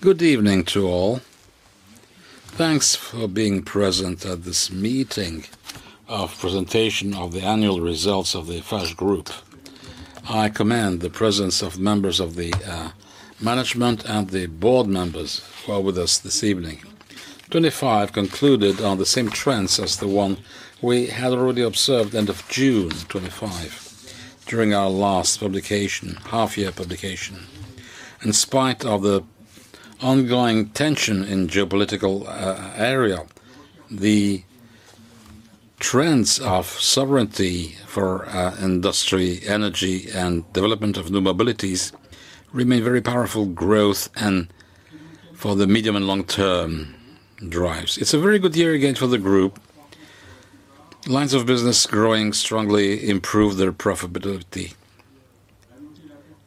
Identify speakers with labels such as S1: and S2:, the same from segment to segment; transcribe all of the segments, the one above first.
S1: Good evening to all. Thanks for being present at this meeting of Presentation of the Annual Results of the Eiffage Group. I commend the presence of members of the management and the board members who are with us this evening. 2025 concluded on the same trends as the one we had already observed end of June 2025, during our last publication, half-year publication. In spite of the ongoing tension in geopolitical area, the trends of sovereignty for industry, energy, and development of new mobilities remain very powerful growth and for the medium and long term drives. It's a very good year again for the group. Lines of business growing strongly improve their profitability.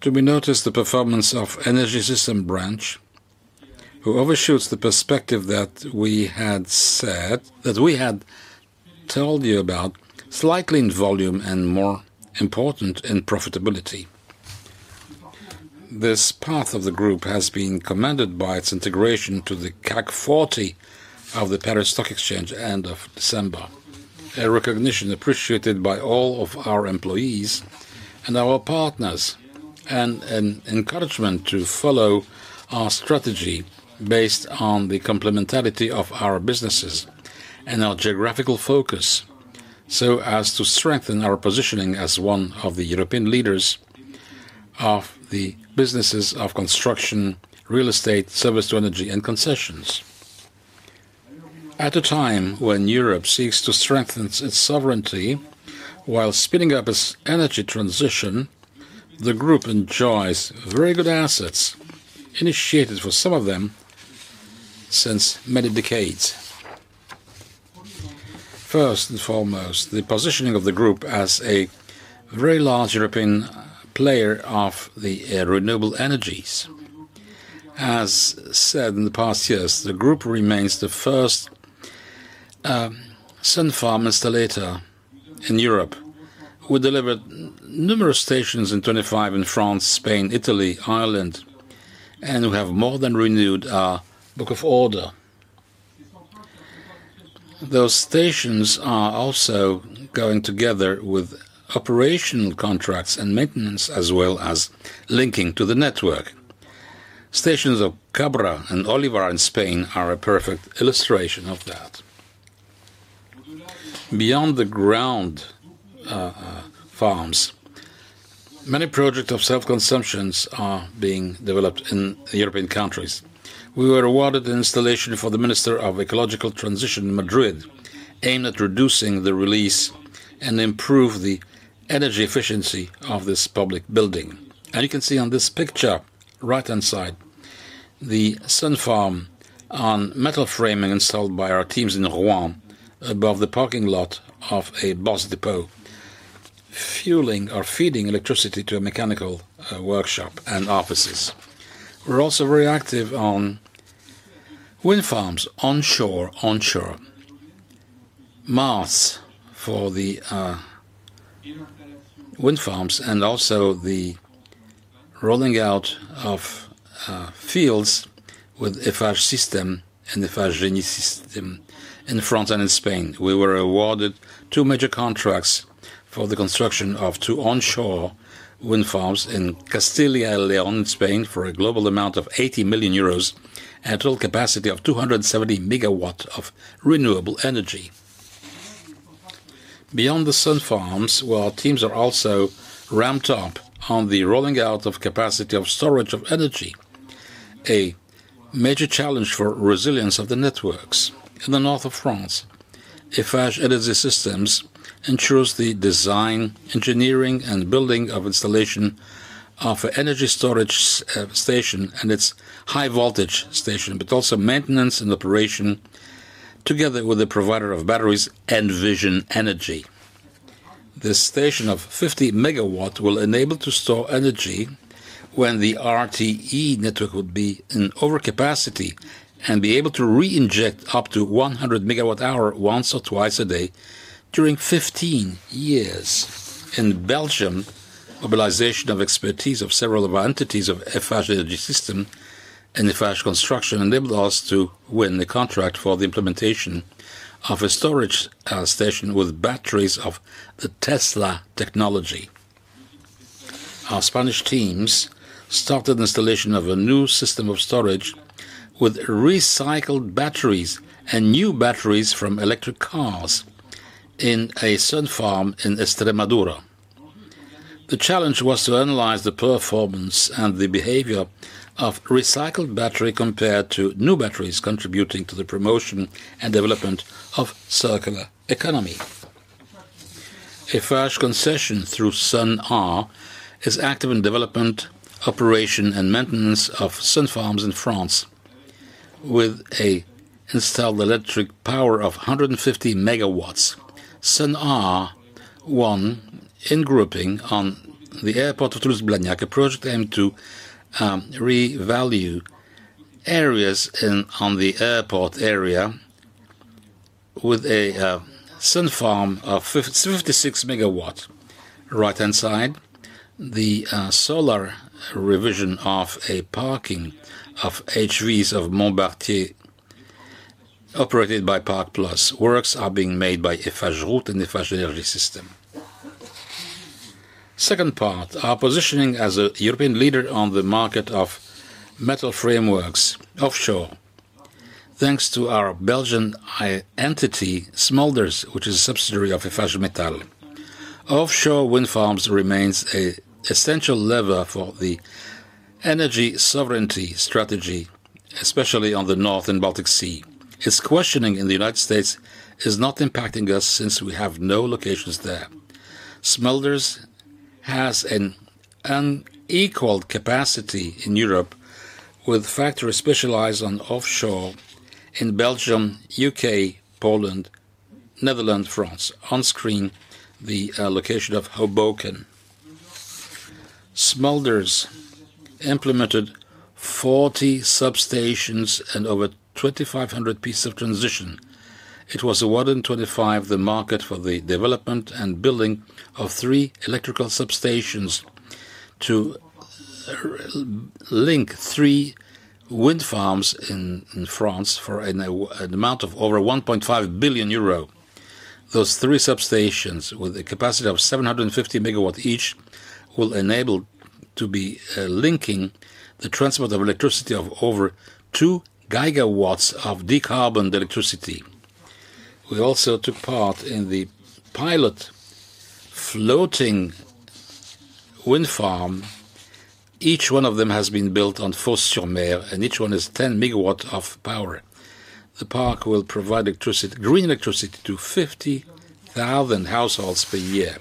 S1: To be noticed, the performance of Eiffage Énergie Systèmes, who overshoots the perspective that we had told you about, slightly in volume and more important in profitability. This path of the group has been commanded by its integration to the CAC 40 of the Paris Stock Exchange, end of December. A recognition appreciated by all of our employees and our partners, and an encouragement to follow our strategy based on the complementarity of our businesses and our geographical focus, so as to strengthen our positioning as one of the European leaders of the businesses of construction, real estate, service to energy, and concessions. At a time when Europe seeks to strengthen its sovereignty while speeding up its energy transition, the group enjoys very good assets, initiated for some of them since many decades. First and foremost, the positioning of the group as a very large European player of the renewable energies. As said in the past years, the group remains the first sun farm installer in Europe. We delivered numerous stations in 2025 in France, Spain, Italy, Ireland, and we have more than renewed our book of order. Those stations are also going together with operational contracts and maintenance, as well as linking to the network. Stations of Cabra and Olivar in Spain are a perfect illustration of that. Beyond the ground farms, many projects of self-consumptions are being developed in the European countries. We were awarded an installation for the Minister of Ecological Transition in Madrid, aimed at reducing the release and improve the energy efficiency of this public building. You can see on this picture, right-hand side, the sun farm on metal framing installed by our teams in Rouen, above the parking lot of a bus depot, fueling or feeding electricity to a mechanical workshop and offices. We're also very active on wind farms, onshore masts for the wind farms, and also the rolling out of fields with Eiffage system and Eiffage Énergie Systèmes in France and in Spain. We were awarded two major contracts for the construction of two onshore wind farms in Castilla y León, Spain, for a global amount of 80 million euros, at a total capacity of 270 MW of renewable energy. Beyond the sun farms, well, our teams are also ramped up on the rolling out of capacity of storage of energy, a major challenge for resilience of the networks. In the north of France, Eiffage Énergie Systèmes ensures the design, engineering, and building of installation of a energy storage station and its high voltage station, but also maintenance and operation, together with the provider of batteries and Envision Energy. This station of 50 MW will enable to store energy when the RTE network would be in overcapacity and be able to reinject up to 100 MWh, once or twice a day, during 15 years. In Belgium, mobilization of expertise of several of our entities of Eiffage Énergie Systèmes and Eiffage Construction enabled us to win the contract for the implementation of a storage station with batteries of the Tesla technology. Our Spanish teams started installation of a new system of storage with recycled batteries and new batteries from electric cars in a sun farm in Extremadura. The challenge was to analyze the performance and the behavior of recycled battery compared to new batteries, contributing to the promotion and development of circular economy. Eiffage concession through Sun'R is active in development, operation, and maintenance of sun farms in France, with a installed electric power of 150 MW. Sun'R won in grouping on the Airport of Toulouse-Blagnac, a project aimed to revalue areas on the airport area, with a sun farm of 56 MW. Right-hand side, the solar revision of a parking of HVs of Montbartier, operated by Park +. Works are being made by Eiffage Group and Eiffage Énergie Systèmes. Second part, our positioning as a European leader on the market of metal frameworks offshore. Thanks to our Belgian entity, Smulders, which is a subsidiary of Eiffage Métal. Offshore wind farms remains a essential lever for the energy sovereignty strategy, especially on the North and Baltic Sea. Its questioning in the United States is not impacting us since we have no locations there. Smulders has an unequaled capacity in Europe, with factories specialized on offshore in Belgium, UK, Poland, Netherlands, France. On screen, the location of Hoboken. Smulders implemented 40 substations and over 2,500 pieces of transition. It was awarded in 2025, the market for the development and building of three electrical substations to link three wind farms in France for an amount of over 1.5 billion euro. Those three substations, with a capacity of 750 MW each, will enable to be linking the transport of electricity of over 2 GW of decarboned electricity. We also took part in the pilot floating wind farm. Each one of them has been built on Fos-sur-Mer, and each one is 10 MW of power. The park will provide green electricity to 50,000 households per year.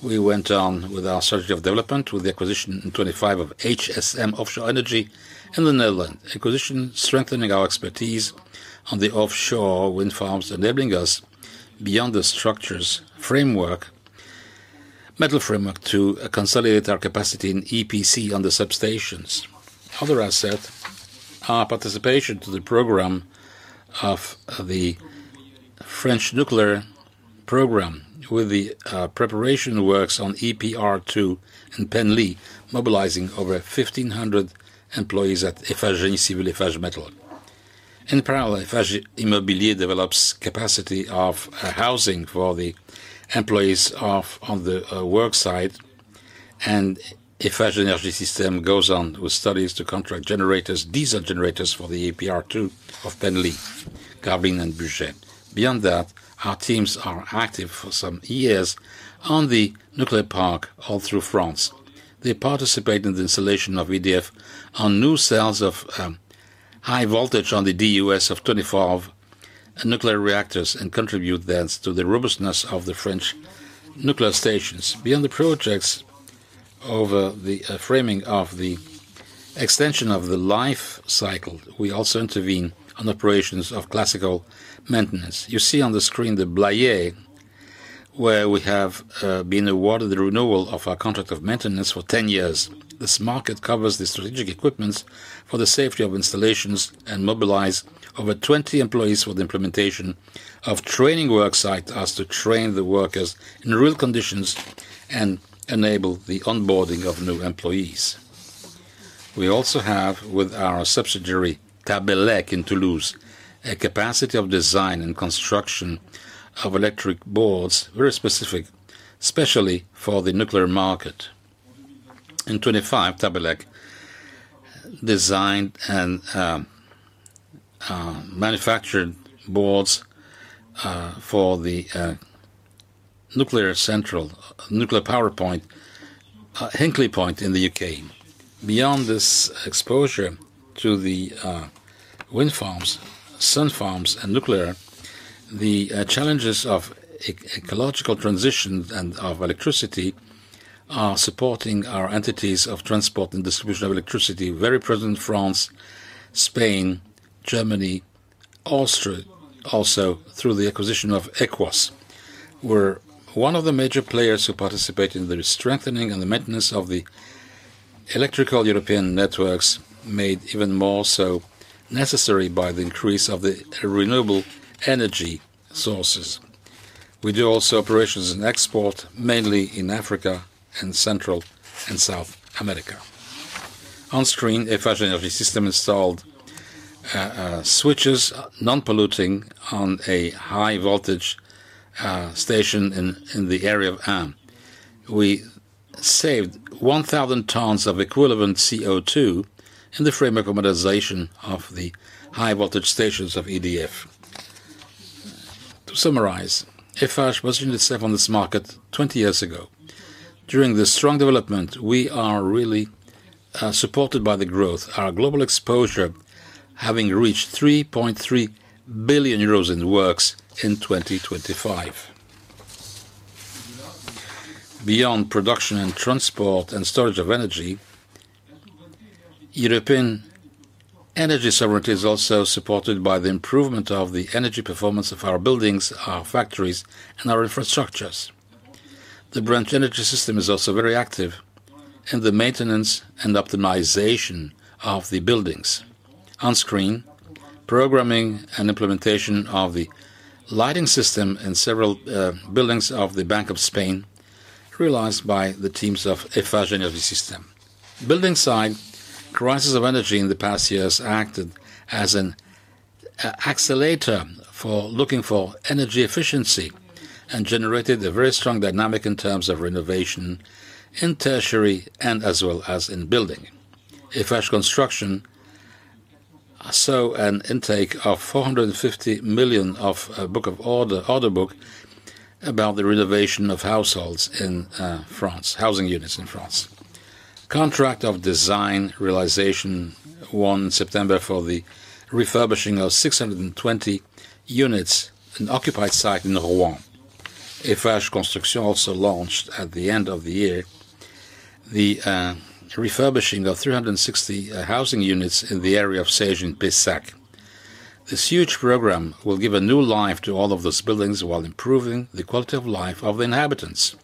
S1: We went on with our strategy of development, with the acquisition in 2025 of HSM Offshore Energy in the Netherlands. Acquisition, strengthening our expertise on the offshore wind farms, enabling us, beyond the structures, framework, metal framework, to consolidate our capacity in EPC on the substations. Other asset, our participation to the program of the French nuclear program, with the preparation works on EPR2 in Penly, mobilizing over 1,500 employees at Eiffage Génie Civil Eiffage Métal. In parallel, Eiffage Immobilier develops capacity of housing for the employees of on the work site, and Eiffage Énergie Systèmes goes on with studies to contract generators, diesel generators, for the EPR2 of Penly, Gravelines, and Bugey. Beyond that, our teams are active for some years on the nuclear park all through France. They participate in the installation of EDF on new cells of high voltage on the DUS of 25 nuclear reactors and contribute thence to the robustness of the French nuclear stations. Beyond the projects, over the framing of the extension of the life cycle, we also intervene on operations of classical maintenance. You see on the screen the Blaye, where we have been awarded the renewal of our contract of maintenance for 10 years. This market covers the strategic equipments for the safety of installations and mobilize over 20 employees for the implementation of training work site as to train the workers in real conditions and enable the onboarding of new employees. We also have, with our subsidiary, Tabelec, in Toulouse, a capacity of design and construction of electric boards, very specific, especially for the nuclear market. In 2025, Tabelec designed and manufactured boards for the nuclear central, nuclear power point, Hinkley Point in the U.K. Beyond this exposure to the wind farms, sun farms, and nuclear, the challenges of ecological transition and of electricity are supporting our entities of transport and distribution of electricity, very present in France, Spain, Germany, Austria. Through the acquisition of EQOS, we're one of the major players who participate in the strengthening and the maintenance of the electrical European networks, made even more so necessary by the increase of the renewable energy sources. We do also operations in export, mainly in Africa and Central and South America. On screen, Eiffage Énergie Systèmes installed switches, non-polluting, on a high voltage station in the area of Arm. We saved 1,000 tons of equivalent CO2 in the framework of modernization of the high voltage stations of EDF. To summarize, Eiffage positioned itself on this market 20 years ago. During this strong development, we are really supported by the growth, our global exposure having reached 3.3 billion euros in the works in 2025. Beyond production and transport and storage of energy, European energy sovereignty is also supported by the improvement of the energy performance of our buildings, our factories, and our infrastructures. The branch Énergie Systèmes is also very active in the maintenance and optimization of the buildings. On screen, programming and implementation of the lighting system in several buildings of the Bank of Spain, realized by the teams of Eiffage Énergie Systèmes. Building side, crisis of energy in the past years acted as an accelerator for looking for energy efficiency and generated a very strong dynamic in terms of renovation in tertiary and as well as in building. Eiffage Construction saw an intake of 450 million of order book, about the renovation of housing units in France. Contract of design realization, 1 September for the refurbishing of 620 units, an occupied site in Rouen. Eiffage Construction also launched, at the end of the year, the refurbishing of 360 housing units in the area of Saige in Pessac. This huge program will give a new life to all of those buildings while improving the quality of life of the inhabitants.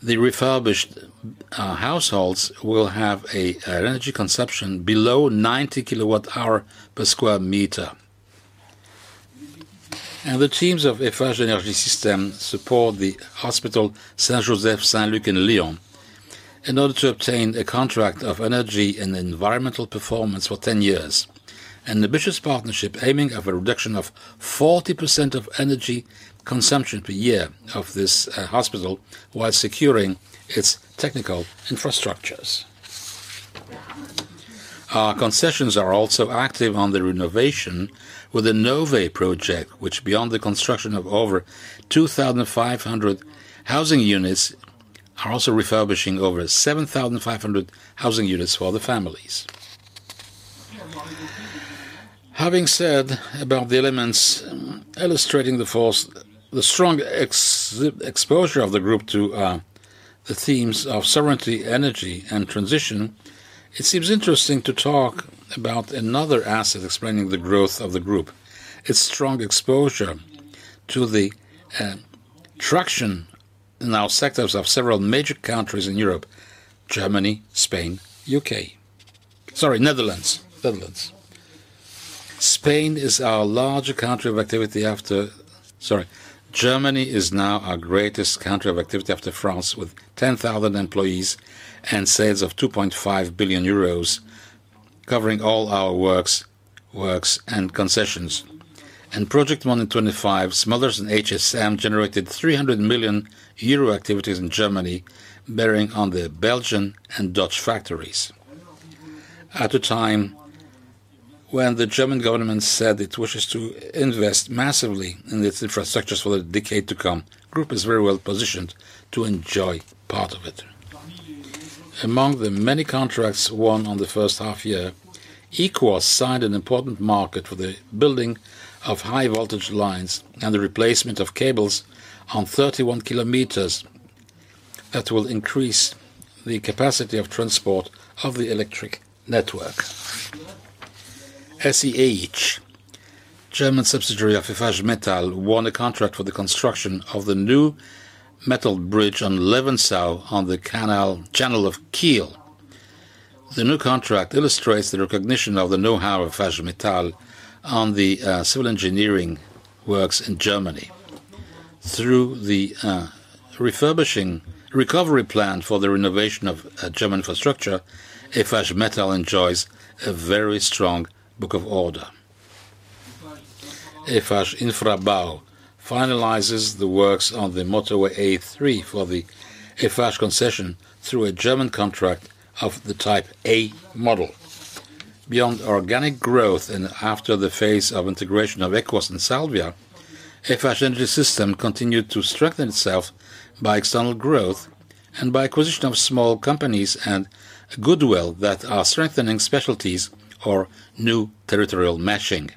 S1: The refurbished households will have an energy consumption below 90 KWh per square meter. The teams of Eiffage Énergie Systèmes support the Hôpital Saint Joseph Saint Luc in Lyon, in order to obtain a contract of energy and environmental performance for 10 years. An ambitious partnership aiming of a reduction of 40% of energy consumption per year of this hospital, while securing its technical infrastructures. Our concessions are also active on the renovation with the Nové project, which beyond the construction of over 2,500 housing units, are also refurbishing over 7,500 housing units for the families. Having said about the elements, illustrating the force, the strong exposure of the group to the themes of sovereignty, energy, and transition, it seems interesting to talk about another asset explaining the growth of the group. Its strong exposure to the traction in our sectors of several major countries in Europe: Germany, Spain, U.K. Sorry, Netherlands. Spain is our larger country of activity after. Sorry, Germany is now our greatest country of activity after France, with 10,000 employees and sales of 2.5 billion euros, covering all our works and concessions. In project 125, Smulders and HSM generated 300 million euro activities in Germany, bearing on the Belgian and Dutch factories. At a time when the German government said it wishes to invest massively in its infrastructures for the decade to come, the group is very well positioned to enjoy part of it. Among the many contracts won on the first half-year, EQOS signed an important market for the building of high voltage lines and the replacement of cables on 31 km that will increase the capacity of transport of the electric network. SEH, German subsidiary of Eiffage Métal, won a contract for the construction of the new metal bridge on Levensau, on the channel of Kiel. The new contract illustrates the recognition of the know-how of Eiffage Métal on the civil engineering works in Germany. Through the recovery plan for the renovation of German infrastructure, Eiffage Métal enjoys a very strong book of order. Eiffage Infra-Bau finalizes the works on the motorway A3 for the Eiffage Concessions through a German contract of the type A-Model. Beyond organic growth and after the phase of integration of EQOS and Salvia, Eiffage Énergie Systèmes continued to strengthen itself by external growth and by acquisition of small companies and goodwill that are strengthening specialties or new territorial matching.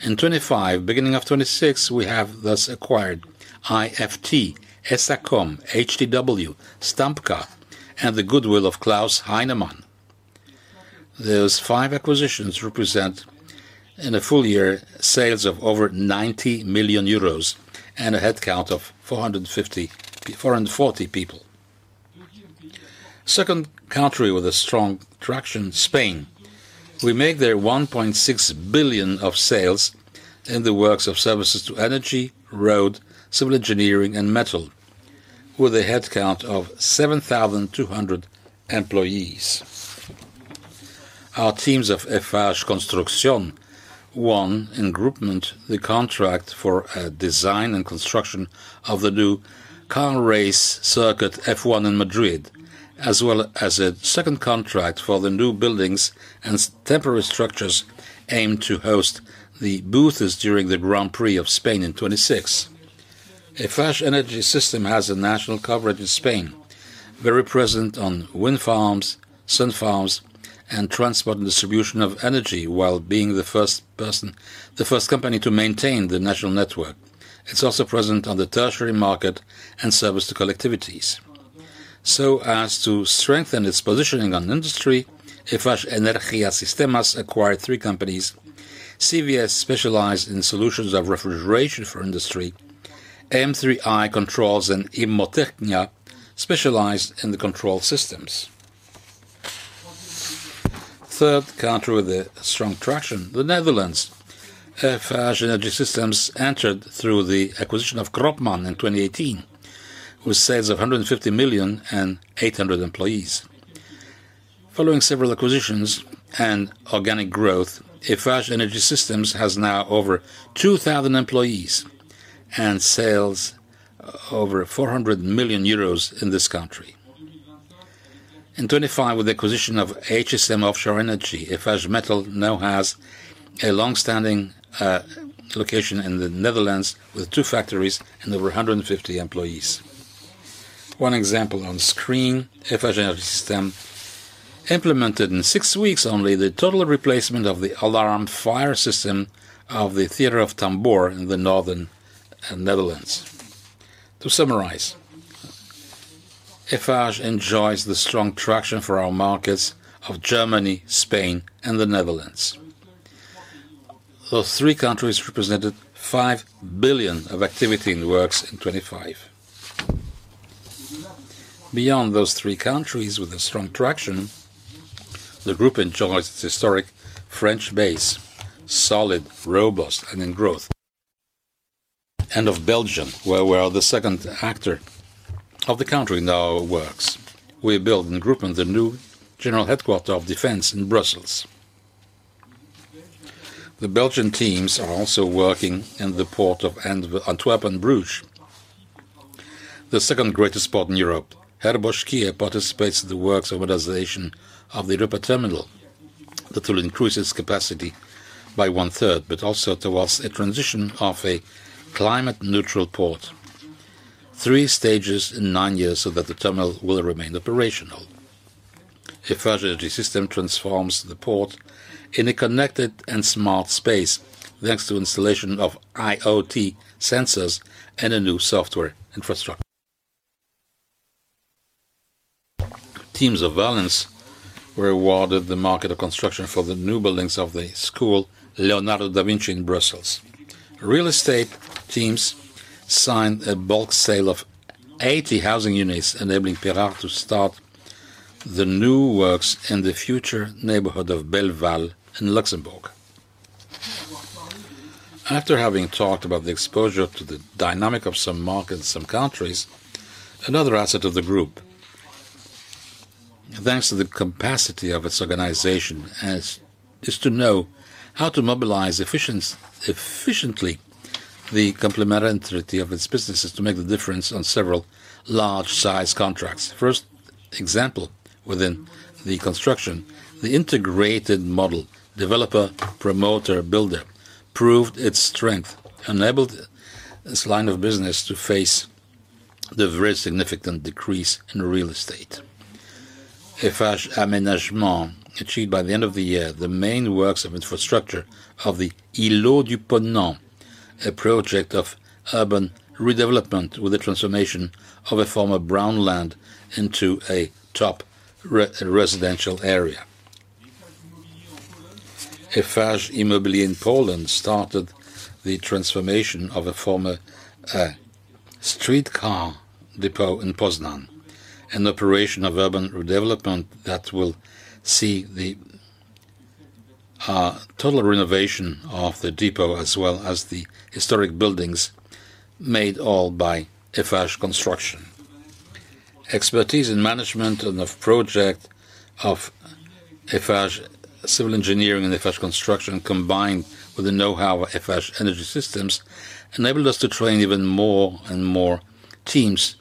S1: In 2025, beginning of 2026, we have thus acquired IFT, Esacom, HTW, Stump Spezialtiefbau, and the goodwill of Claus Heinemann Elektroanlagen. Those five acquisitions represent, in a full year, sales of over 90 million euros and a headcount of 440 people. Second country with a strong traction, Spain. We make there 1.6 billion of sales in the works of services to energy, road, civil engineering, and metal, with a headcount of 7,200 employees. Our teams of Eiffage Construction won, in groupement, the contract for design and construction of the new car race circuit, F1 in Madrid, as well as a second contract for the new buildings and temporary structures aimed to host the booths during the Grand Prix of Spain in 2026. Eiffage Énergie Systèmes has a national coverage in Spain, very present on wind farms, sun farms, and transport and distribution of energy, while being the first company to maintain the national network. It's also present on the tertiary market and service to collectivities. As to strengthen its positioning on industry, Eiffage Energía Sistemas acquired three companies: CVS specialized in solutions of refrigeration for industry, M3i Controls and Inmotechnia specialized in the control systems. Third country with a strong traction, the Netherlands. Eiffage Énergie Systèmes entered through the acquisition of Kropman in 2018, with sales of 150 million and 800 employees. Following several acquisitions and organic growth, Eiffage Énergie Systèmes has now over 2,000 employees and sales over 400 million euros in this country. In 2025, with the acquisition of HSM Offshore Energy, Eiffage Métal now has a long-standing location in the Netherlands, with two factories and over 150 employees. One example on screen, Eiffage Energy System implemented in six weeks only the total replacement of the alarm fire system of the theater of De Tamboer in the northern Netherlands. To summarize, Eiffage enjoys the strong traction for our markets of Germany, Spain, and the Netherlands. Those three countries represented 5 billion of activity in the works in 2025. Beyond those three countries with a strong traction, the Group enjoys its historic French base, solid, robust, and in growth. Of Belgium, where we are the second actor of the country in our works. We build and group in the new General Headquarters of Defense in Brussels. The Belgian teams are also working in the port of Antwerp and Bruges, the second greatest port in Europe. Herbosch-Kiere participates in the works of modernization of the Europa Terminal that will increase its capacity by one third, but also towards a transition of a climate-neutral port. Three stages in nine years, so that the terminal will remain operational. Eiffage Énergie Systèmes transforms the port in a connected and smart space, thanks to installation of IoT sensors and a new software infrastructure. Teams of Valence were awarded the market of construction for the new buildings of the school, Leonardo da Vinci, in Brussels. Real estate teams signed a bulk sale of 80 housing units, enabling Perrard to start the new works in the future neighborhood of Belval in Luxembourg. After having talked about the exposure to the dynamic of some markets in some countries, another asset of the group, thanks to the capacity of its organization, is to know how to mobilize efficiently the complementarity of its businesses to make the difference on several large-sized contracts. First example, within the construction, the integrated model, developer, promoter, builder, proved its strength, enabled this line of business to face the very significant decrease in real estate. Eiffage Aménagement achieved by the end of the year, the main works of infrastructure of the Îlot du Ponant, a project of urban redevelopment with the transformation of a former brown land into a top residential area. Eiffage Immobilier in Poland started the transformation of a former streetcar depot in Poznań, an operation of urban redevelopment that will see the total renovation of the depot, as well as the historic buildings made all by Eiffage Construction. Expertise in management and of project of Eiffage civil engineering and Eiffage Construction, combined with the know-how of Eiffage Énergie Systèmes, enabled us to train even more and more teams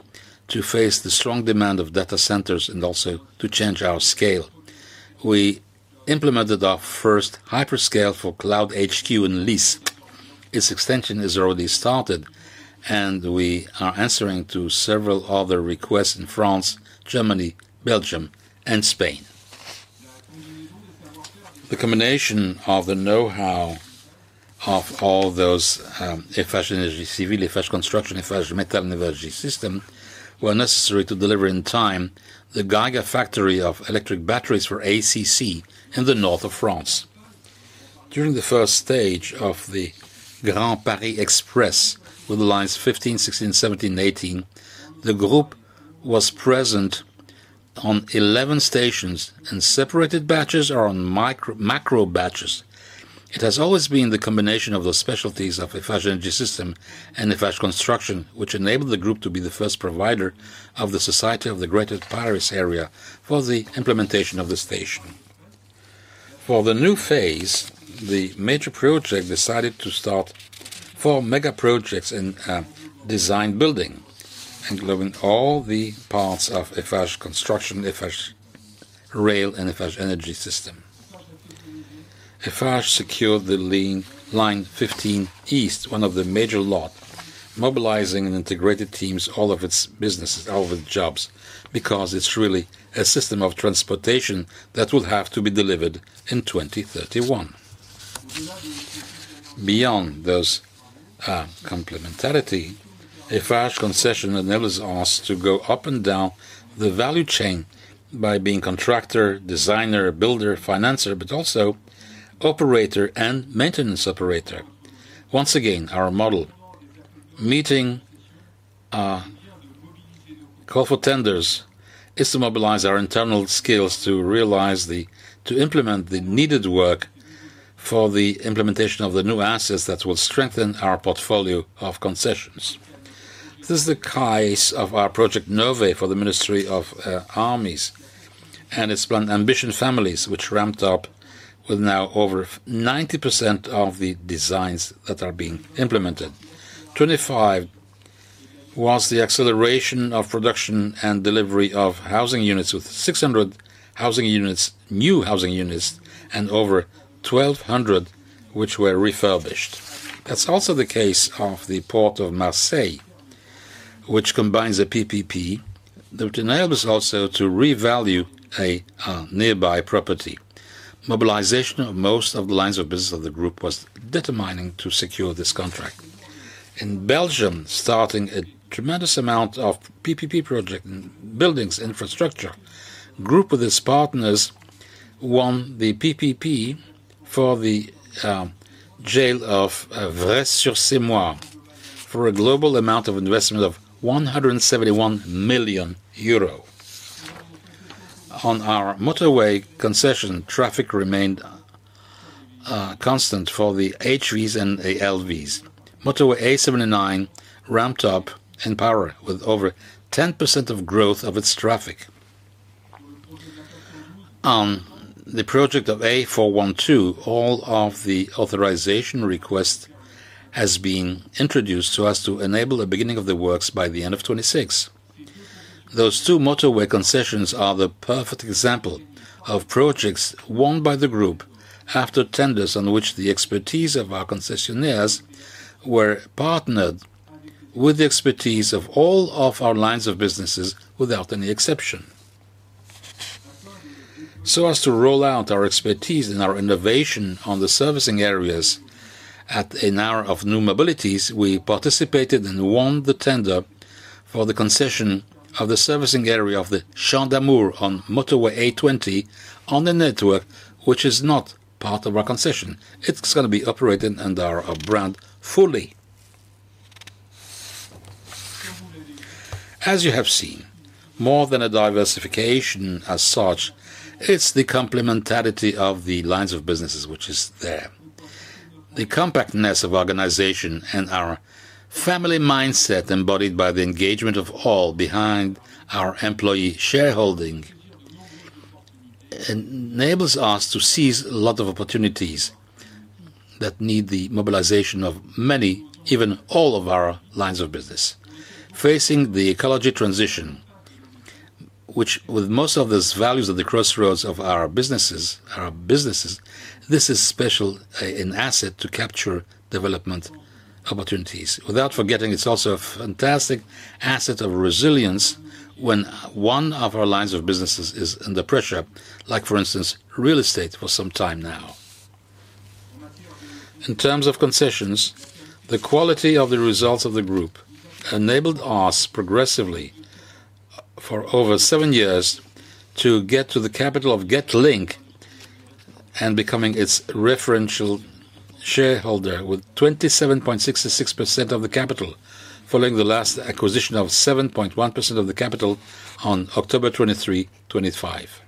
S1: to face the strong demand of data centers and also to change our scale. We implemented our first hyperscale for CloudHQ in Lisses. Its extension is already started. We are answering to several other requests in France, Germany, Belgium, and Spain. The combination of the know-how of all those, Eiffage Génie Civil, Eiffage Construction, Eiffage Métal, and Eiffage Énergie Systèmes, were necessary to deliver in time the gigafactory of electric batteries for ACC in the north of France. During the first stage of the Grand Paris Express, with the lines 15, 16, 17, and 18, the group was present on 11 stations, and separated batches are on micro- macro batches. It has always been the combination of those specialties of Eiffage Énergie Systèmes and Eiffage Construction, which enabled the group to be the first provider of the Société du Grand Paris for the implementation of the station. For the new phase, the major project decided to start four mega projects in design building, including all the parts of Eiffage Construction, Eiffage Rail, and Eiffage Énergie Systèmes. Eiffage secured the lean Line 15 East, one of the major lot, mobilizing and integrated teams, all of its businesses, all of its jobs, because it's really a system of transportation that will have to be delivered in 2031. Beyond those complementarity, a large concession enables us to go up and down the value chain by being contractor, designer, builder, financer, but also operator and maintenance operator. Once again, our model, meeting call for tenders, is to mobilize our internal skills to realize to implement the needed work for the implementation of the new assets that will strengthen our portfolio of concessions. This is the case of our project, Nové, for the Ministry for the Armed Forces, and its ambition families, which ramped up with now over 90% of the designs that are being implemented. 2025 was the acceleration of production and delivery of housing units, with 600 housing units, new housing units, and over 1,200 which were refurbished. That's also the case of the Port of Marseille, which combines a PPP. The denial was also to revalue a nearby property. Mobilization of most of the lines of business of the group was determining to secure this contract. In Belgium, starting a tremendous amount of PPP project, buildings, infrastructure, group with its partners won the PPP for the jail of Vresse-sur-Semois, for a global amount of investment of 171 million euro. On our motorway concession, traffic remained constant for the HVs and the LVs. Motorway A79 ramped up in power with over 10% of growth of its traffic. The project of A412, all of the authorization request has been introduced so as to enable a beginning of the works by the end of 2026. Those two motorway concessions are the perfect example of projects won by the group after tenders on which the expertise of our concessionaires were partnered with the expertise of all of our lines of businesses without any exception. As to roll out our expertise and our innovation on the servicing areas at an era of new mobilities, we participated and won the tender for the concession of the servicing area of the Champ d'Amour on motorway A20, on a network which is not part of our concession. It's gonna be operated under our brand Fulli. As you have seen, more than a diversification as such, it's the complementarity of the lines of businesses which is there. The compactness of organization and our family mindset, embodied by the engagement of all behind our employee shareholding, enables us to seize a lot of opportunities that need the mobilization of many, even all of our lines of business. Facing the ecology transition, which with most of these values at the crossroads of our businesses, this is special, an asset to capture development opportunities. Without forgetting, it's also a fantastic asset of resilience when one of our lines of businesses is under pressure, like, for instance, real estate for some time now. In terms of concessions, the quality of the results of the group enabled us progressively, for over seven years, to get to the capital of Getlink and becoming its referential shareholder with 27.66% of the capital, following the last acquisition of 7.1% of the capital on October 23, 2025.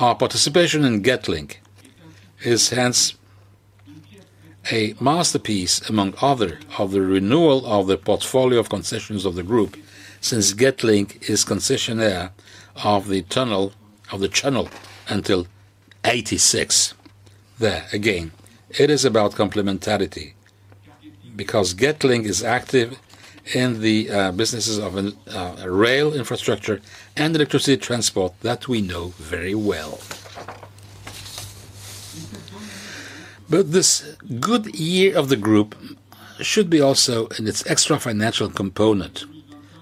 S1: Our participation in Getlink is hence a masterpiece, among other, of the renewal of the portfolio of concessions of the group, since Getlink is concessionaire of the tunnel, of the channel until 2086. There, again, it is about complementarity, because Getlink is active in the businesses of an rail infrastructure and electricity transport that we know very well. This good year of the group should be also in its extra financial component.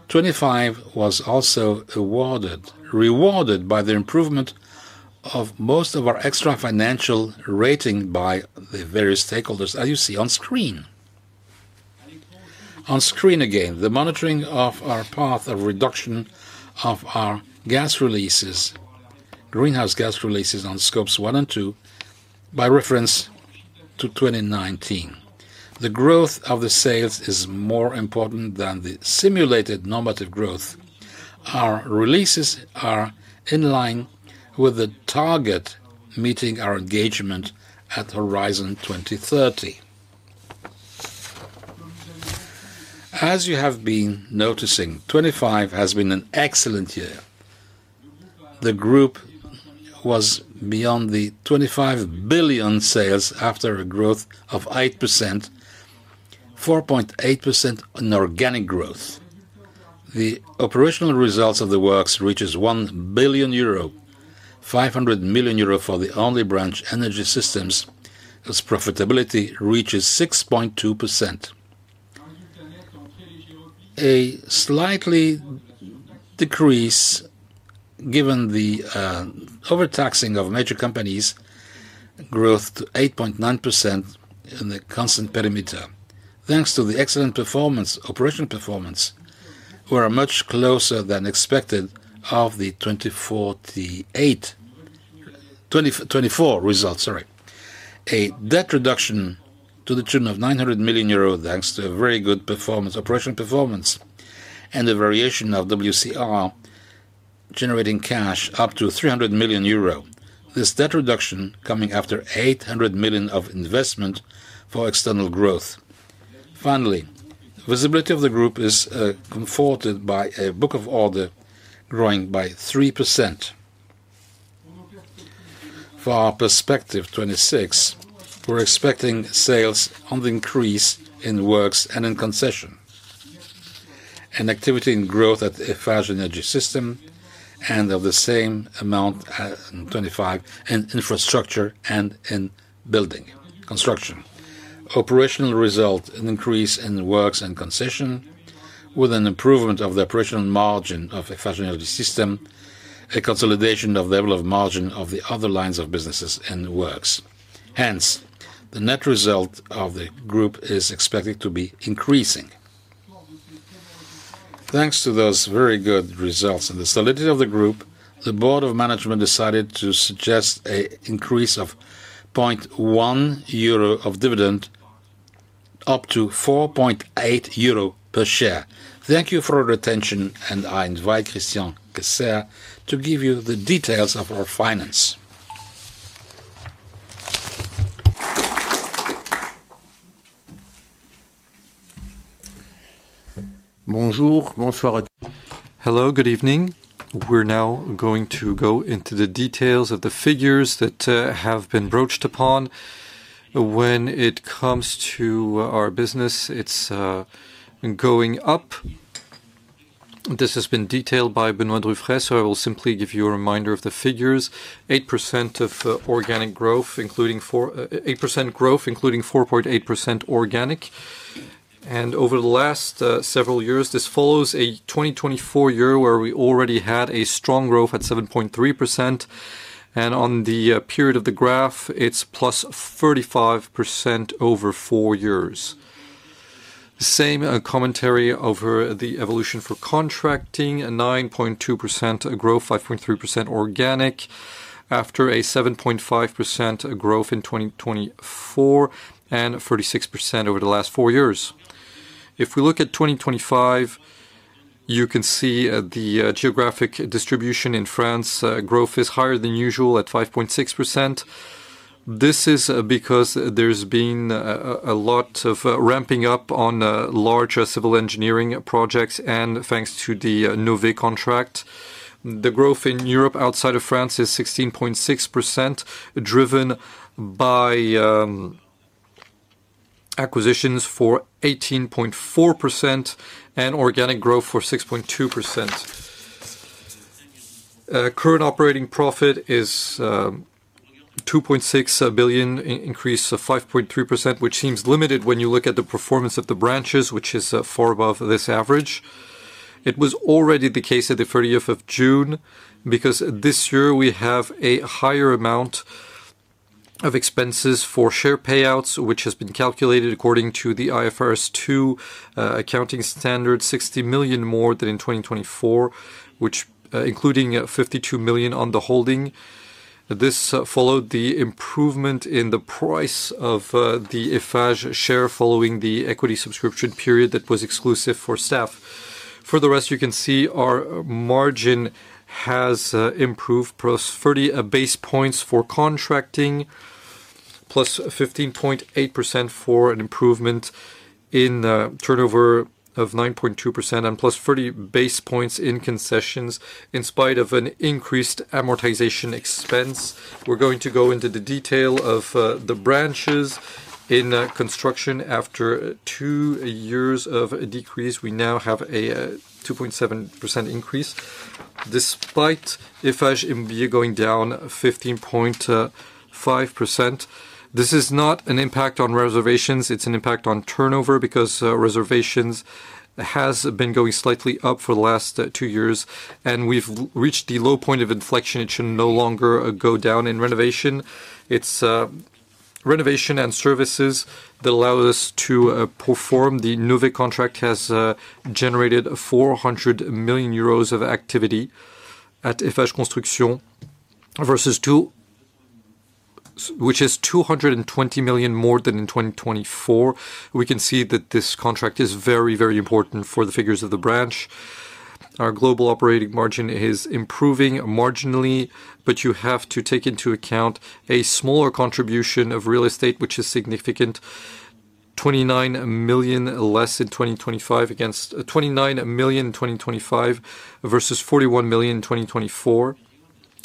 S1: 2025 was also rewarded by the improvement of most of our extra-financial rating by the various stakeholders, as you see on screen. On screen again, the monitoring of our path of reduction of our gas releases, greenhouse gas releases on Scopes 1 and 2, by reference to 2019. The growth of the sales is more important than the simulated normative growth. Our releases are in line with the target, meeting our engagement at Horizon 2030. As you have been noticing, 2025 has been an excellent year. The group was beyond 25 billion sales after a growth of 8%, 4.8% in organic growth. The operational results of the works reaches 1 billion euro, 500 million euro for the only branch Énergie Systèmes, as profitability reaches 6.2%. A slightly decrease, given the overtaxing of major companies, growth to 8.9% in the constant perimeter. Thanks to the excellent performance, operational performance, we are much closer than expected of the 2048, 2024 results, sorry. A debt reduction to the tune of 900 million euro, thanks to a very good performance, operational performance, and a variation of WCR, generating cash up to 300 million euro. This debt reduction coming after 800 million of investment for external growth. Finally, visibility of the group is comforted by a book of order, growing by 3%. For our perspective 2026, we're expecting sales on the increase in works and in concession. Activity and growth at Eiffage Énergie Systèmes, and of the same amount as in 2025, in infrastructure and in building, construction. Operational result, an increase in the works and concession, with an improvement of the operational margin of Eiffage Énergie Systèmes, a consolidation of level of margin of the other lines of businesses and the works. Hence, the net result of the group is expected to be increasing. Thanks to those very good results and the solidity of the group, the board of management decided to suggest a increase of 0.1 euro of dividend up to 4.8 euro per share. Thank you for your attention, and I invite Christian Cassayre to give you the details of our finance.
S2: Hello, good evening. We're now going to go into the details of the figures that have been broached upon. When it comes to our business, it's going up. This has been detailed by Benoît de Ruffray, so I will simply give you a reminder of the figures. 8% growth, including 4.8% organic. Over the last several years, this follows a 2024 year, where we already had a strong growth at 7.3%. On the period of the graph, it's +35% over four years. The same commentary over the evolution for contracting, a 9.2% growth, 5.3% organic, after a 7.5% growth in 2024, and 36% over the last four years. If we look at 2025, you can see the geographic distribution in France, growth is higher than usual at 5.6%. This is because there's been a lot of ramping up on larger civil engineering projects and thanks to the Nové contract. The growth in Europe, outside of France, is 16.6%, driven by acquisitions for 18.4% and organic growth for 6.2%. Current operating profit is 2.6 billion, increase of 5.3%, which seems limited when you look at the performance of the branches, which is far above this average. It was already the case at the 30th of June, because this year we have a higher amount of expenses for share payouts, which has been calculated according to the IFRS 2 accounting standard, 60 million more than in 2024, which including 52 million on the holding. This followed the improvement in the price of the Eiffage share, following the equity subscription period that was exclusive for staff. For the rest, you can see our margin has improved, +30 basis points for contracting, +15.8% for an improvement in turnover of 9.2%, and +30 basis points in concessions, in spite of an increased amortization expense. We're going to go into the detail of the branches. In construction, after two years of decrease, we now have a 2.7% increase. Despite Eiffage Construction going down 15.5%. This is not an impact on reservations, it's an impact on turnover, because reservations has been going slightly up for the last two years, and we've reached the low point of inflection. It should no longer go down in renovation. It's renovation and services that allow us to perform. The Nové contract has generated 400 million euros of activity at Eiffage Construction versus two. Which is 220 million more than in 2024. We can see that this contract is very important for the figures of the branch. Our global operating margin is improving marginally, but you have to take into account a smaller contribution of real estate, which is significant. 29 million less in 2025 versus 41 million in 2024.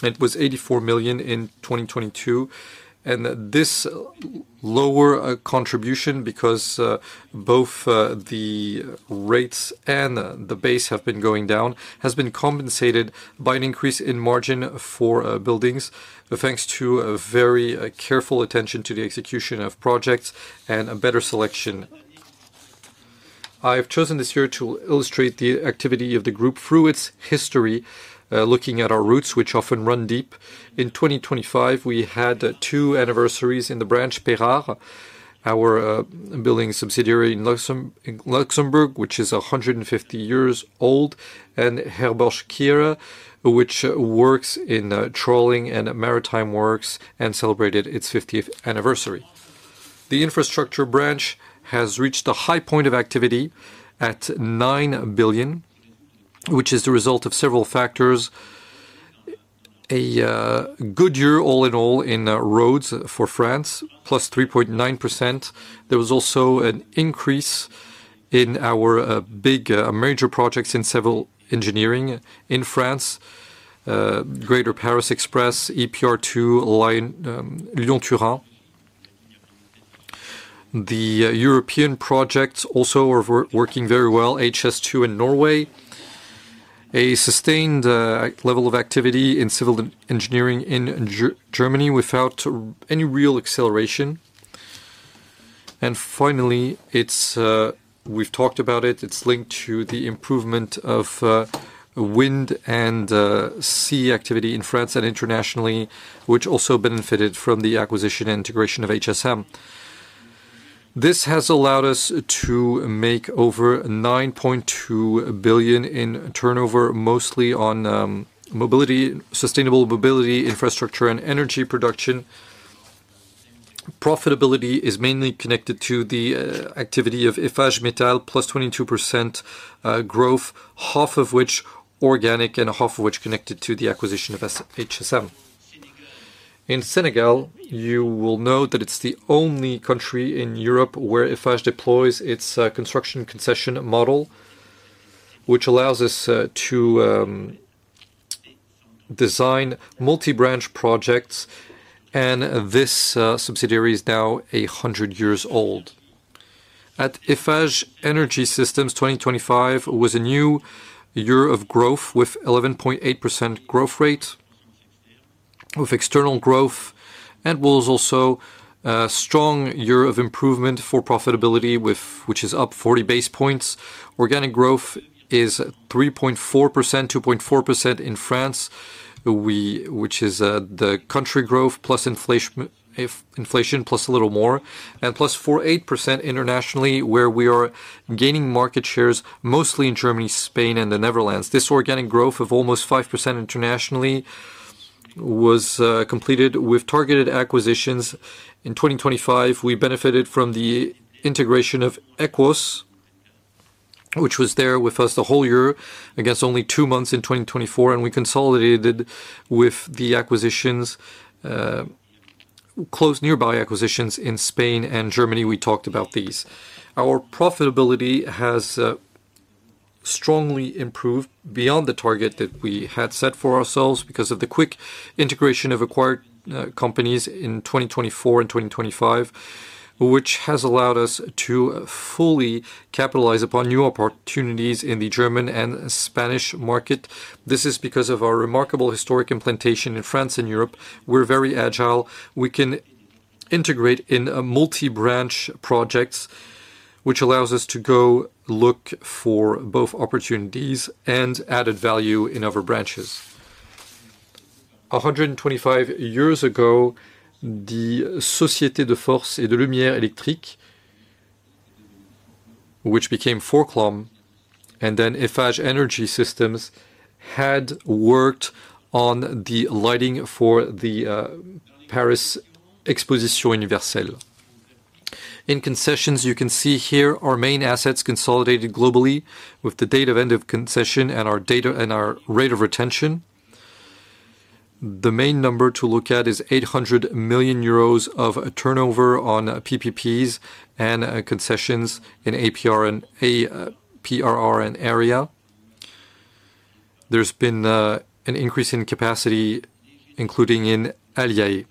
S2: It was 84 million in 2022. This lower contribution, because both the rates and the base have been going down, has been compensated by an increase in margin for buildings, thanks to a very careful attention to the execution of projects and a better selection. I've chosen this year to illustrate the activity of the group through its history, looking at our roots, which often run deep. In 2025, we had two anniversaries in the branch, Perrard, our building subsidiary in Luxembourg, which is 150 years old, and Herbosch-Kiere, which works in trawling and maritime works, and celebrated its 50th anniversary. The infrastructure branch has reached a high point of activity at 9 billion, which is the result of several factors. A good year, all in all, in roads for France, +3.9%. There was also an increase in our big major projects in civil engineering in France, Greater Paris Express, EPR2 line, Lyon-Turin. The European projects also are working very well, HS2 in Norway. A sustained level of activity in civil engineering in Germany, without any real acceleration. Finally, it's—we've talked about it's linked to the improvement of wind and sea activity in France and internationally, which also benefited from the acquisition and integration of HSM. This has allowed us to make over 9.2 billion in turnover, mostly on mobility, sustainable mobility, infrastructure, and energy production. Profitability is mainly connected to the activity of Eiffage Métal, +22% growth, half of which organic and half of which connected to the acquisition of HSM. In Senegal, you will note that it's the only country in Europe where Eiffage deploys its construction concession model, which allows us to design multi-branch projects, and this subsidiary is now 100 years old. At Eiffage Énergie Systèmes, 2025 was a new year of growth, with 11.8% growth rate, with external growth, and was also a strong year of improvement for profitability, which is up 40 base points. Organic growth is 3.4%, 2.4% in France. Which is, the country growth plus inflation, if inflation plus a little more, and plus 4.8% internationally, where we are gaining market shares, mostly in Germany, Spain, and the Netherlands. This organic growth of almost 5% internationally was completed with targeted acquisitions. In 2025, we benefited from the integration of EQOS, which was there with us the whole year, against only two months in 2024, and we consolidated with the acquisitions, close nearby acquisitions in Spain and Germany. We talked about these. Our profitability has strongly improved beyond the target that we had set for ourselves because of the quick integration of acquired companies in 2024 and 2025, which has allowed us to fully capitalize upon new opportunities in the German and Spanish market. This is because of our remarkable historic implantation in France and Europe. We're very agile. We can integrate in a multi-branch projects, which allows us to go look for both opportunities and added value in other branches. 125 years ago, the Société de Force et de Lumière Electrique, which became Forclum, and then Eiffage Énergie Systèmes, had worked on the lighting for the Paris Exposition Universelle. In concessions, you can see here our main assets consolidated globally with the date of end of concession and our rate of retention. The main number to look at is 800 million euros of a turnover on PPPs and concessions in APRR and AREA. There's been an increase in capacity, including in ALIAE.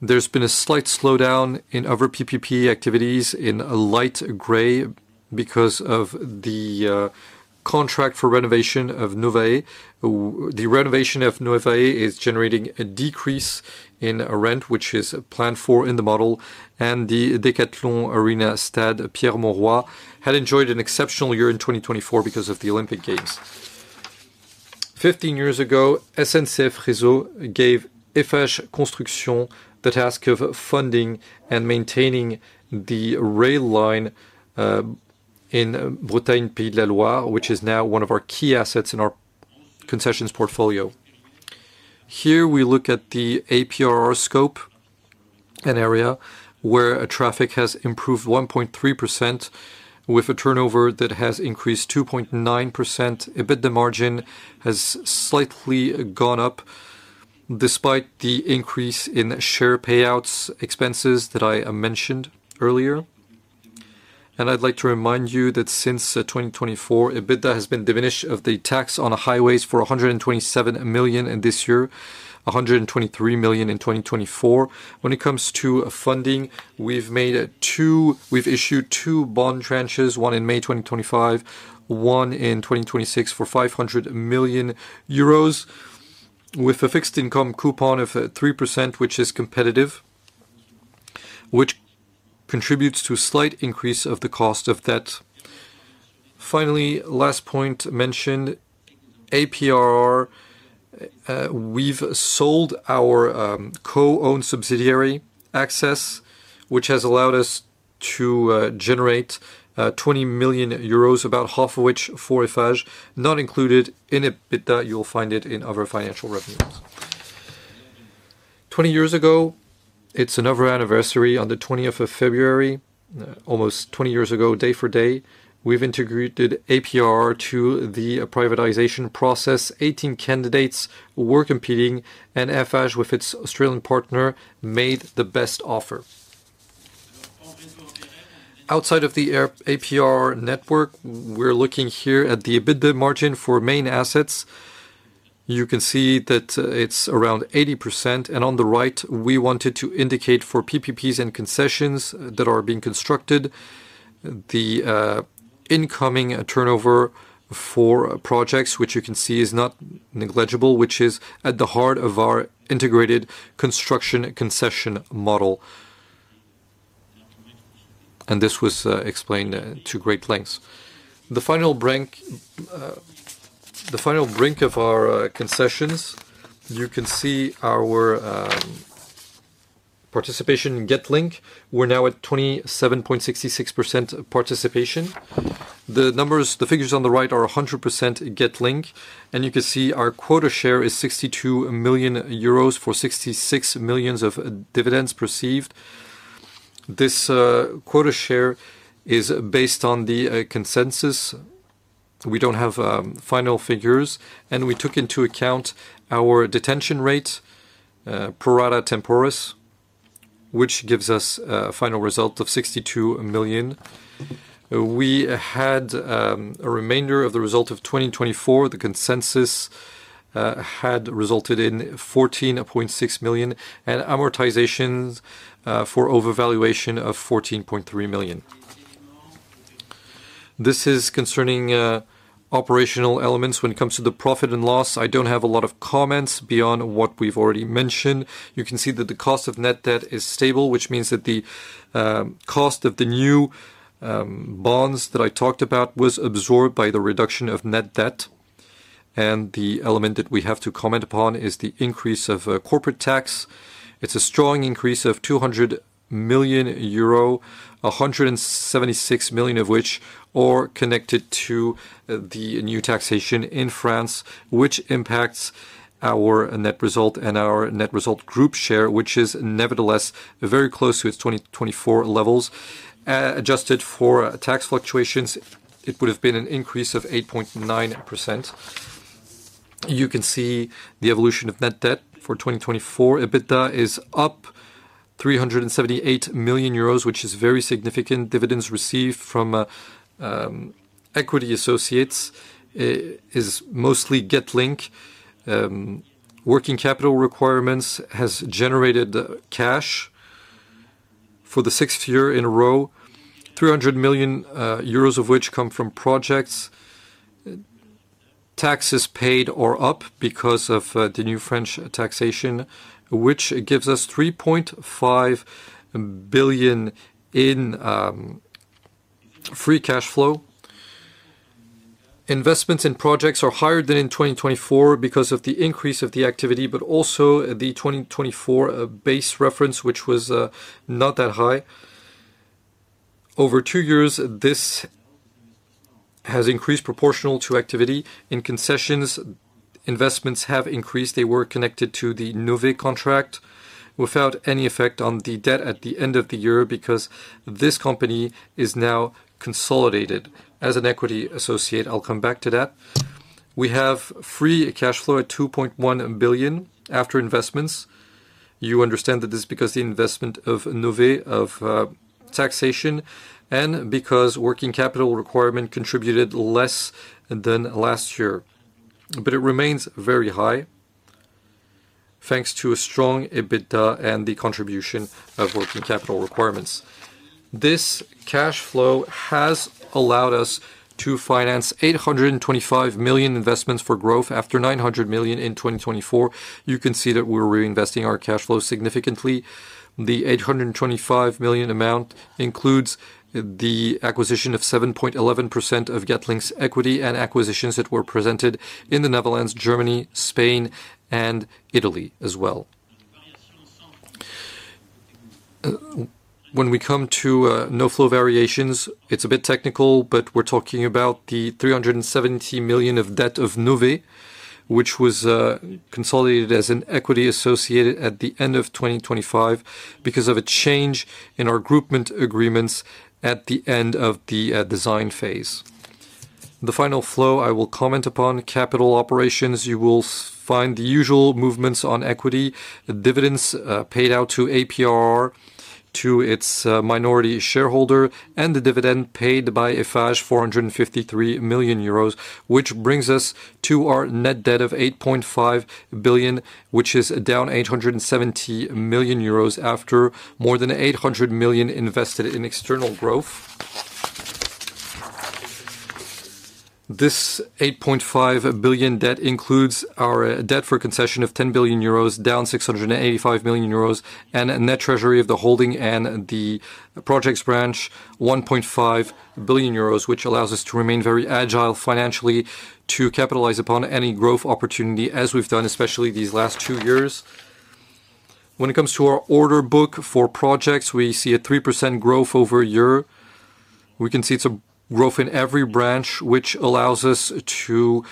S2: There's been a slight slowdown in other PPP activities in a light gray because of the contract for renovation of Nové. The renovation of Nové is generating a decrease in a rent, which is planned for in the model, and the Decathlon Arena Stade Pierre Mauroy, had enjoyed an exceptional year in 2024 because of the Olympic Games. 15 years ago, SNCF Réseau gave Eiffage Construction the task of funding and maintaining the rail line in Bretagne-Pays de la Loire, which is now one of our key assets in our concessions portfolio. Here we look at the APR scope, an area where traffic has improved 1.3%, with a turnover that has increased 2.9%. EBITDA margin has slightly gone up, despite the increase in share payouts, expenses that I mentioned earlier. I'd like to remind you that since 2024, EBITDA has been diminished of the tax on highways for 127 million, and this year, 123 million in 2024. When it comes to funding, we've issued two bond tranches, one in May 2025, one in 2026, for 500 million euros. With a fixed income coupon of 3%, which is competitive, which contributes to a slight increase of the cost of debt. Finally, last point mentioned, APRR. We've sold our co-owned subsidiary, Access, which has allowed us to generate 20 million euros, about half of which for Eiffage, not included in EBITDA. You'll find it in other financial revenues. 20 years ago, it's another anniversary. On the 20th of February, almost 20 years ago, day for day, we've integrated APRR to the privatization process. 18 candidates were competing, Eiffage, with its Australian partner, made the best offer. Outside of the APRR network, we're looking here at the EBITDA margin for main assets. You can see that it's around 80%, on the right, we wanted to indicate for PPPs and concessions that are being constructed, the incoming turnover for projects, which you can see is not negligible, which is at the heart of our integrated construction and concession model. This was explained to great lengths. The final brink of our concessions, you can see our participation in Getlink. We're now at 27.66% participation. The numbers, the figures on the right are 100% Getlink, you can see our quota share is 62 million euros for 66 million of dividends perceived. This quota share is based on the consensus. We don't have final figures, we took into account our detention rate pro rata temporis, which gives us a final result of 62 million. We had a remainder of the result of 2024. The consensus had resulted in 14.6 million amortizations for overvaluation of 14.3 million. This is concerning operational elements. When it comes to the profit and loss, I don't have a lot of comments beyond what we've already mentioned. You can see that the cost of net debt is stable, which means that the cost of the new bonds that I talked about was absorbed by the reduction of net debt. The element that we have to comment upon is the increase of corporate tax. It's a strong increase of 200 million euro, 176 million of which are connected to the new taxation in France, which impacts our net result and our net result group share, which is nevertheless very close to its 2024 levels. Adjusted for tax fluctuations, it would have been an increase of 8.9%. You can see the evolution of net debt for 2024. EBITDA is up 378 million euros, which is very significant. Dividends received from equity associates is mostly Getlink. Working capital requirements has generated cash for the sixth year in a row, 300 million euros of which come from projects. Taxes paid are up because of the new French taxation, which gives us 3.5 billion in free cash flow. Investments in projects are higher than in 2024 because of the increase of the activity, but also the 2024 base reference, which was not that high. Over two years, this has increased proportional to activity. In concessions, investments have increased. They were connected to the Nové contract without any effect on the debt at the end of the year, because this company is now consolidated as an equity associate. I'll come back to that. We have free cash flow at 2.1 billion after investments. You understand that this is because the investment of Nové, of taxation, and because working capital requirement contributed less than last year. It remains very high, thanks to a strong EBITDA and the contribution of working capital requirements. This cash flow has allowed us to finance 825 million investments for growth after 900 million in 2024. You can see that we're reinvesting our cash flow significantly. The 825 million amount includes the acquisition of 7.11% of Getlink's equity and acquisitions that were presented in the Netherlands, Germany, Spain, and Italy as well. When we come to no-flow variations, it's a bit technical, we're talking about the 370 million of debt of Nové, which was consolidated as an equity associated at the end of 2025 because of a change in our groupment agreements at the end of the design phase. The final flow, I will comment upon capital operations. You will find the usual movements on equity, the dividends paid out to APRR, to its minority shareholder, and the dividend paid by Eiffage, 453 million euros, which brings us to our net debt of 8.5 billion, which is down 870 million euros after more than 800 million invested in external growth. This 8.5 billion debt includes our debt for concession of 10 billion euros, down 685 million euros, and a net treasury of the holding and the projects branch 1.5 billion euros, which allows us to remain very agile financially to capitalize upon any growth opportunity as we've done, especially these last two years. When it comes to our order book for projects, we see a 3% growth over a year. We can see it's a growth in every branch, which allows us to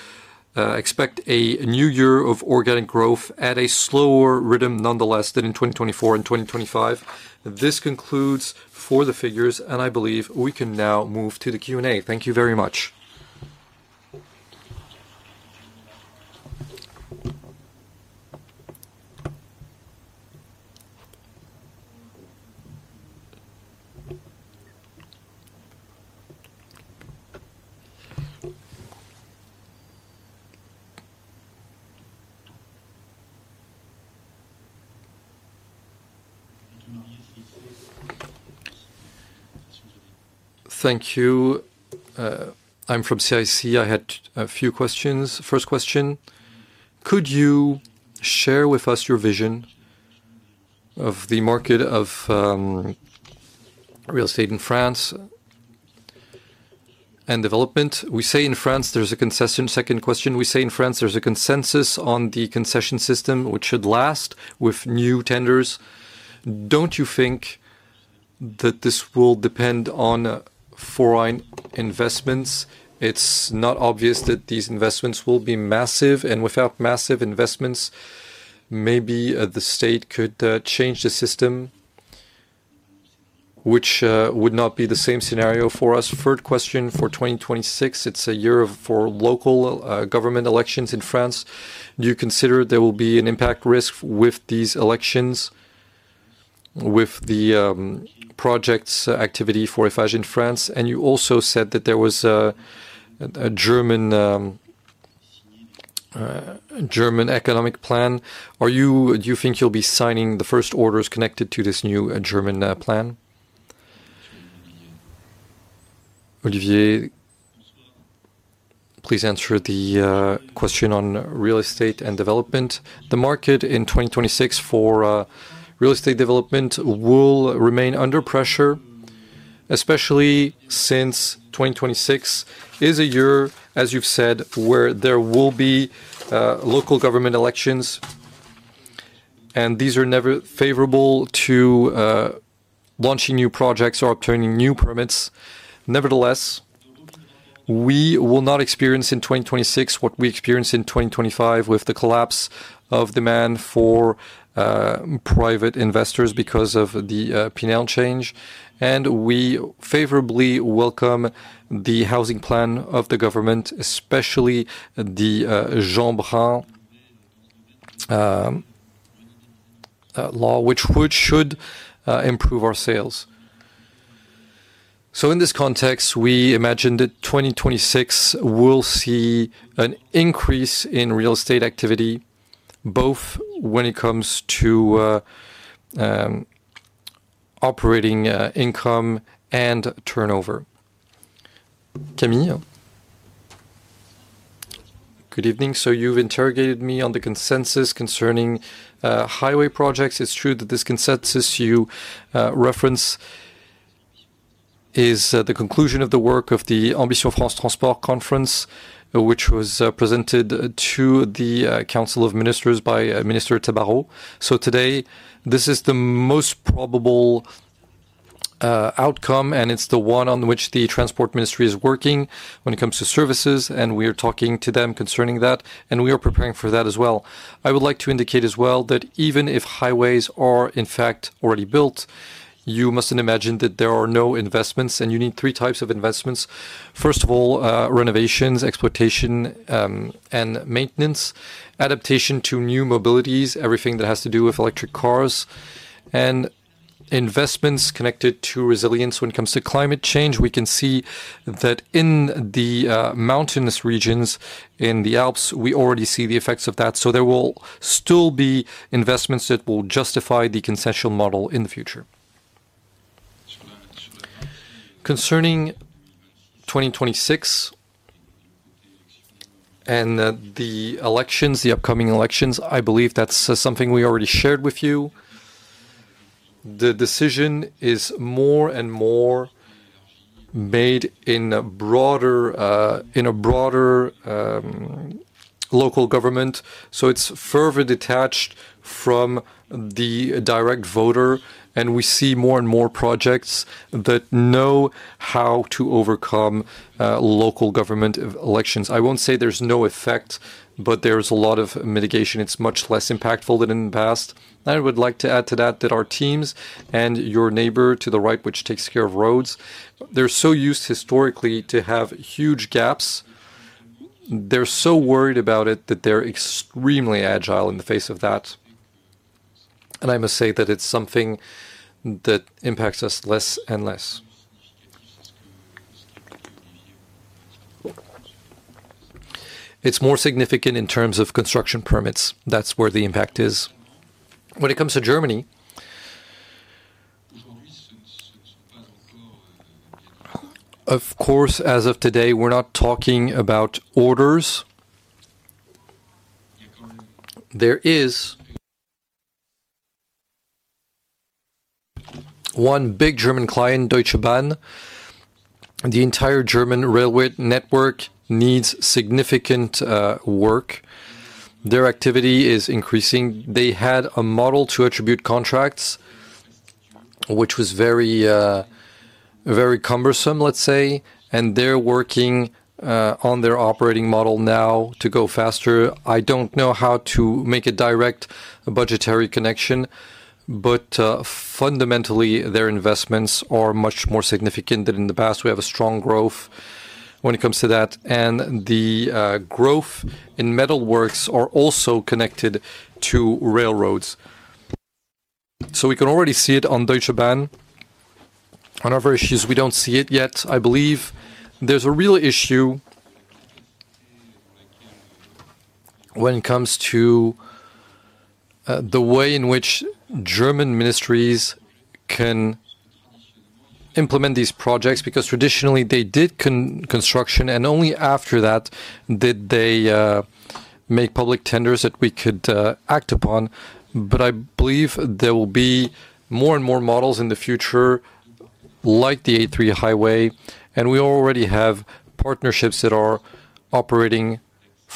S2: expect a new year of organic growth at a slower rhythm, nonetheless, than in 2024 and 2025. This concludes for the figures. I believe we can now move to the Q&A. Thank you very much.
S3: Thank you. I'm from CIC. I had a few questions. First question: Could you share with us your vision of the market of real estate in France and development? We say in France, there's a concession. Second question: We say in France, there's a consensus on the concession system, which should last with new tenders. Don't you think that this will depend on foreign investments? It's not obvious that these investments will be massive, without massive investments, maybe the state could change the system, which would not be the same scenario for us. Third question, for 2026, it's a year for local government elections in France. Do you consider there will be an impact risk with these elections, with the projects activity for Eiffage in France? You also said that there was a German economic plan. Do you think you'll be signing the first orders connected to this new German plan?
S1: Olivier, please answer the question on real estate and development.
S4: The market in 2026 for real estate development will remain under pressure, especially since 2026 is a year, as you've said, where there will be local government elections, and these are never favorable to launching new projects or obtaining new permits. Nevertheless, we will not experience in 2026 what we experienced in 2025 with the collapse of demand for private investors because of the Pinel change, and we favorably welcome the housing plan of the government, especially the Jean Braun law, which should improve our sales. In this context, we imagine that 2026 will see an increase in real estate activity, both when it comes to operating income and turnover. Camille?
S5: Good evening. You've interrogated me on the consensus concerning highway projects. It's true that this consensus you reference is the conclusion of the work of the Ambition France Transports conference, which was presented to the Council of Ministers by Minister Tabarot. Today, this is the most probable outcome, and it's the one on which the Transport Ministry is working when it comes to services, and we are talking to them concerning that, and we are preparing for that as well. I would like to indicate as well that even if highways are, in fact, already built, you mustn't imagine that there are no investments, and you need three types of investments. First of all, renovations, exploitation, and maintenance, adaptation to new mobilities, everything that has to do with electric cars and investments connected to resilience. When it comes to climate change, we can see that in the mountainous regions in the Alps, we already see the effects of that. There will still be investments that will justify the concessional model in the future. Concerning 2026 and the elections, the upcoming elections, I believe that's something we already shared with you. The decision is more and more made in a broader, in a broader, local government, so it's further detached from the direct voter, we see more and more projects that know how to overcome local government elections. I won't say there's no effect, but there's a lot of mitigation. It's much less impactful than in the past. I would like to add to that our teams and your neighbor to the right, which takes care of roads, they're so used historically to have huge gaps. They're so worried about it that they're extremely agile in the face of that. I must say that it's something that impacts us less and less. It's more significant in terms of construction permits. That's where the impact is. Of course, as of today, we're not talking about orders. There is one big German client, Deutsche Bahn. The entire German railway network needs significant work. Their activity is increasing. They had a model to attribute contracts, which was very, very cumbersome, let's say, and they're working on their operating model now to go faster. I don't know how to make a direct budgetary connection, but fundamentally, their investments are much more significant than in the past. We have a strong growth when it comes to that, and the growth in metalworks are also connected to railroads. We can already see it on Deutsche Bahn. On other issues, we don't see it yet. I believe there's a real issue when it comes to the way in which German ministries can implement these projects, because traditionally they did construction, and only after that did they make public tenders that we could act upon.
S1: I believe there will be more and more models in the future, like the A3 highway, and we already have partnerships that are operating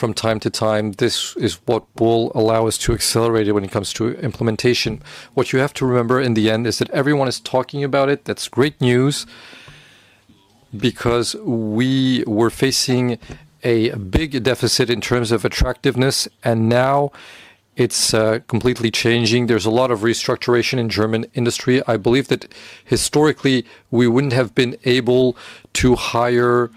S1: from time to time. This is what will allow us to accelerate it when it comes to implementation. What you have to remember in the end is that everyone is talking about it. That's great news, because we were facing a big deficit in terms of attractiveness, and now it's completely changing. There's a lot of restructuration in German industry. I believe that historically, we wouldn't have been able to hire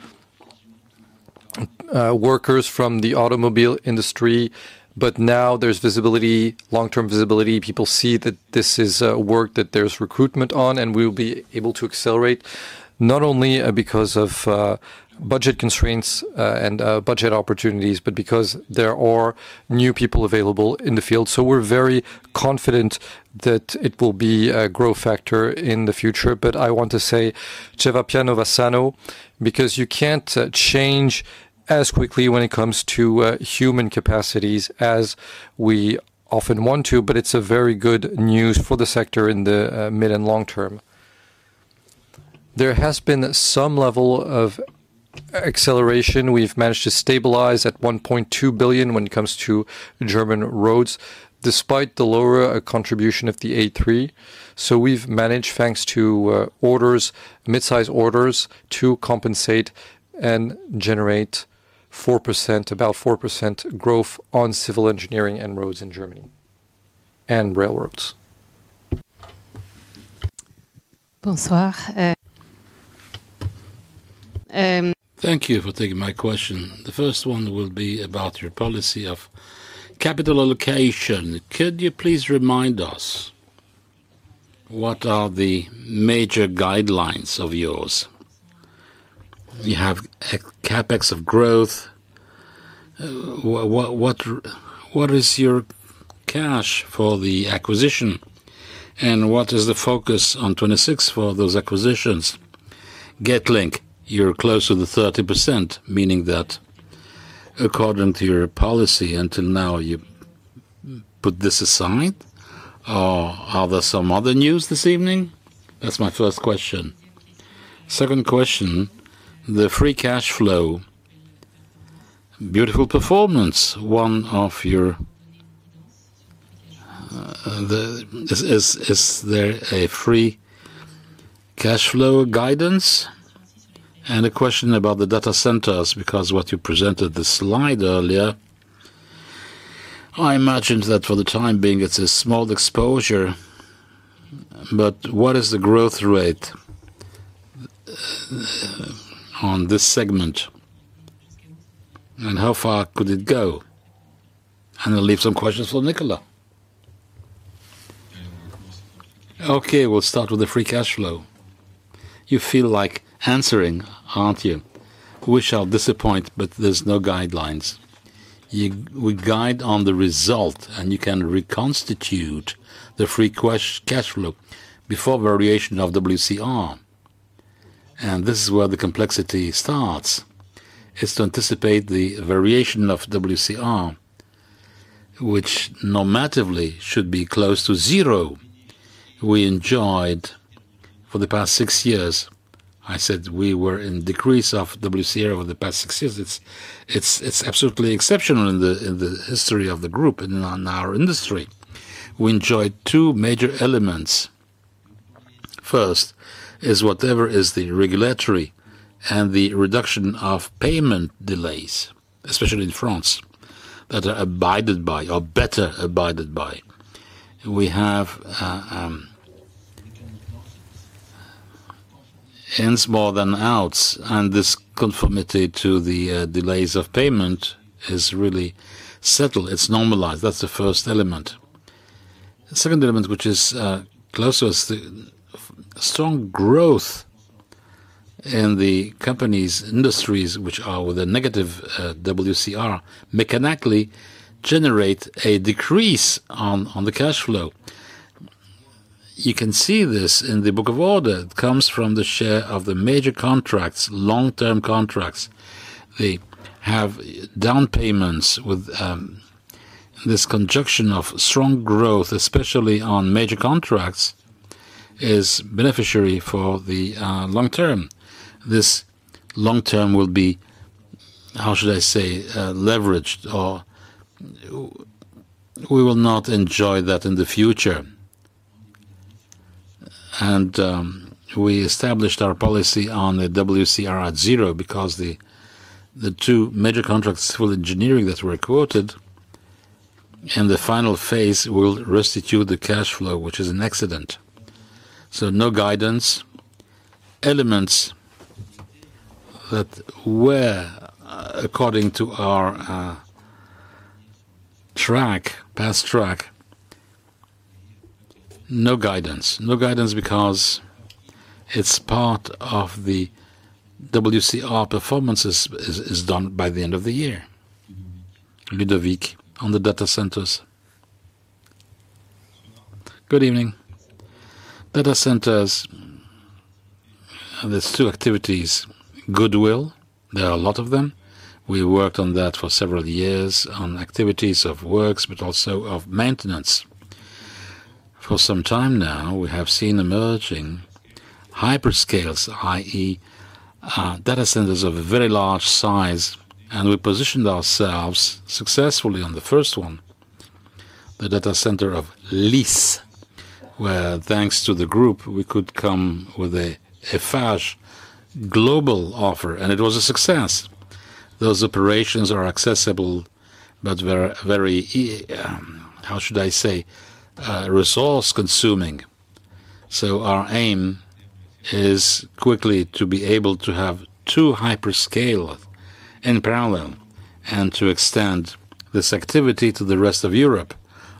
S1: workers from the automobile industry, but now there's visibility, long-term visibility. People see that this is work, that there's recruitment on, and we'll be able to accelerate, not only because of budget constraints and budget opportunities, but because there are new people available in the field. We're very confident that it will be a growth factor in the future. I want to say, chi va piano va sano, because you can't change as quickly when it comes to human capacities as we often want to, but it's a very good news for the sector in the mid and long term. There has been some level of acceleration. We've managed to stabilize at 1.2 billion when it comes to German roads, despite the lower contribution of the A3. We've managed, thanks to orders, mid-size orders, to compensate and generate 4%, about 4% growth on civil engineering and roads in Germany and railroads.
S6: Bonsoir. Thank you for taking my question. The first one will be about your policy of capital allocation. Could you please remind us what are the major guidelines of yours? You have CapEx of growth. What is your cash for the acquisition, and what is the focus on 2026 for those acquisitions? Getlink, you're close to 30%, meaning that according to your policy, until now, you put this aside, or are there some other news this evening? That's my first question. Second question, the free cash flow. Beautiful performance, one of your—is there a free cash flow guidance? A question about the data centers, because what you presented the slide earlier, I imagined that for the time being, it's a small exposure, but what is the growth rate on this segment, and how far could it go?
S1: I'll leave some questions for Nicolas. Okay, we'll start with the free cash flow. You feel like answering, aren't you? We shall disappoint, but there's no guidelines. We guide on the result, and you can reconstitute the free cash flow before variation of WCR. This is where the complexity starts, is to anticipate the variation of WCR, which normatively should be close to zero. We enjoyed for the past six years, I said we were in decrease of WCR over the past six years. It's absolutely exceptional in the history of the group and on our industry. We enjoyed two major elements. First, is whatever is the regulatory and the reduction of payment delays, especially in France, that are abided by or better abided by. We have ins more than outs, and this conformity to the delays of payment is really settled. It's normalized. That's the first element. The second element, which is close to us, the strong growth and the company's industries, which are with a negative WCR, mechanically generate a decrease on the cash flow. You can see this in the book of order. It comes from the share of the major contracts, long-term contracts. They have down payments with this conjunction of strong growth, especially on major contracts, is beneficiary for the long term. This long term will be, how should I say, leveraged, or we will not enjoy that in the future. We established our policy on the WCR at zero because the two major contracts for engineering that were quoted, in the final phase will restitute the cash flow, which is an accident. No guidance. Elements that were, according to our track, past track, no guidance. No guidance, because it's part of the WCR performances is done by the end of the year. Ludovic, on the data centers.
S7: Good evening. Data centers, there's two activities: goodwill, there are a lot of them. We worked on that for several years on activities of works, but also of maintenance. For some time now, we have seen emerging hyperscales, i.e., data centers of a very large size. We positioned ourselves successfully on the first one, the data center of Lisses, where thanks to the group, we could come with a large global offer. It was a success. Those operations are accessible, but very, very, how should I say, resource-consuming. Our aim is quickly to be able to have two hyperscale in parallel and to extend this activity to the rest of Europe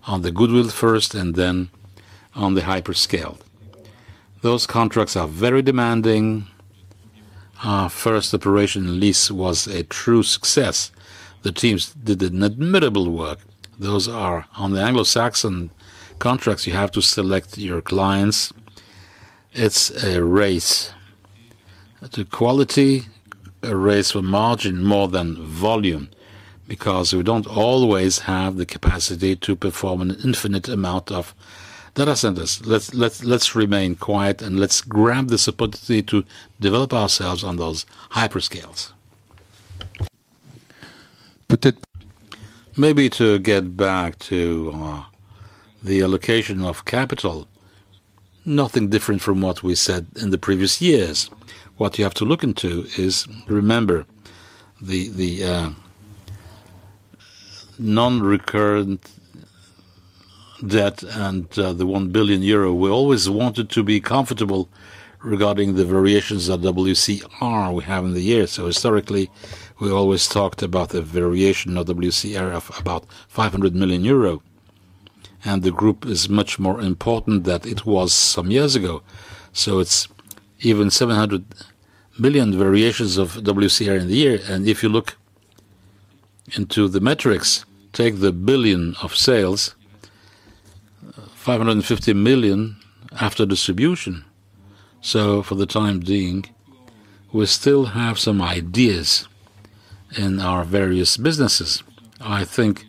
S7: on the goodwill first, and then on the hyperscale. Those contracts are very demanding. Our first operation in Lisses was a true success. The teams did an admirable work. Those are on the Anglo-Saxon contracts. You have to select your clients. It's a race to quality, a race for margin more than volume, because we don't always have the capacity to perform an infinite amount of data centers. Let's remain quiet and let's grab this opportunity to develop ourselves on those hyperscales. maybe to get back to the allocation of capital, nothing different from what we said in the previous years. What you have to look into is, remember, the non-recurrent debt and the 1 billion euro. We always wanted to be comfortable regarding the variations of WCR we have in the year. Historically, we always talked about the variation of WCR of about 500 million euro, and the group is much more important than it was some years ago. It's even 700 million variations of WCR in the year. If you look into the metrics, take the 1 billion of sales, 550 million after distribution. For the time being, we still have some ideas in our various businesses. I think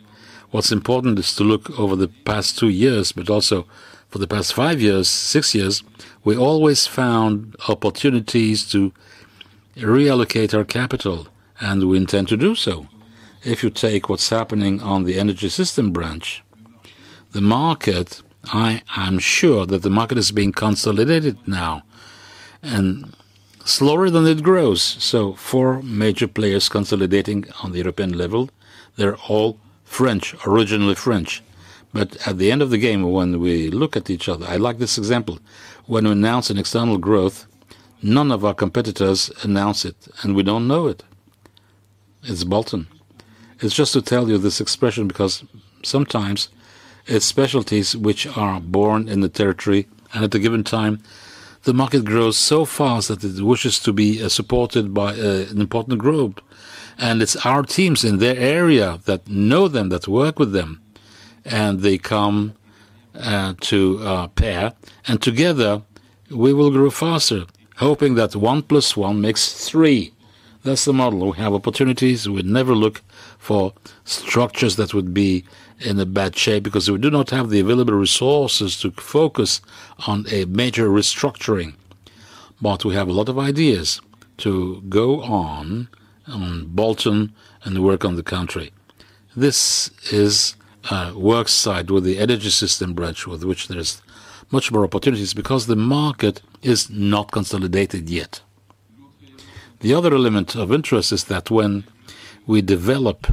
S7: what's important is to look over the past two years, also for the past five years, six years, we always found opportunities to reallocate our capital. We intend to do so. If you take what's happening on the Énergie Systèmes branch, the market, I'm sure that the market is being consolidated now slower than it grows. Four major players consolidating on the European level, they're all French, originally French. At the end of the game, when we look at each other—I like this example: when we announce an external growth, none of our competitors announce it, we don't know it. It's Bolton. It's just to tell you this expression, because sometimes it's specialties which are born in the territory, and at a given time, the market grows so fast that it wishes to be supported by an important group. It's our teams in their area that know them, that work with them, and they come to pair, and together, we will grow faster, hoping that one plus one makes three. That's the model. We have opportunities. We would never look for structures that would be in a bad shape because we do not have the available resources to focus on a major restructuring. We have a lot of ideas to go on Bolton and work on the country. This is a work side with the Énergie Systèmes branch, with which there is much more opportunities because the market is not consolidated yet. The other element of interest is that when we develop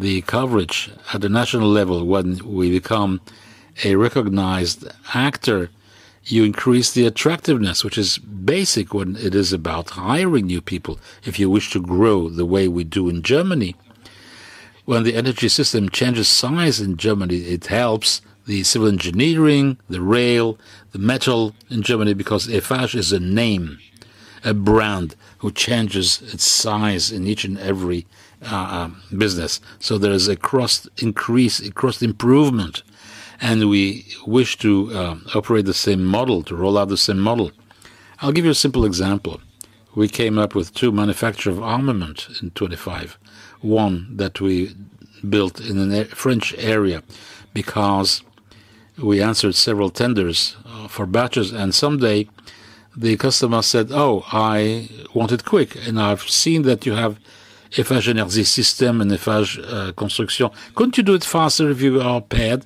S7: the coverage at the national level, when we become a recognized actor, you increase the attractiveness, which is basic when it is about hiring new people, if you wish to grow the way we do in Germany. When the Énergie Systèmes changes size in Germany, it helps the civil engineering, the rail, the metal in Germany, because Eiffage is a name, a brand, who changes its size in each and every business. There is a cross increase, a cross improvement, and we wish to operate the same model, to roll out the same model. I'll give you a simple example. We came up with two manufacturer of armament in 2025. One that we built in a French area because we answered several tenders for batches, and someday the customer said, "Oh, I want it quick, and I've seen that you have Eiffage Énergie Systèmes and Eiffage Construction. Couldn't you do it faster if you are paid?"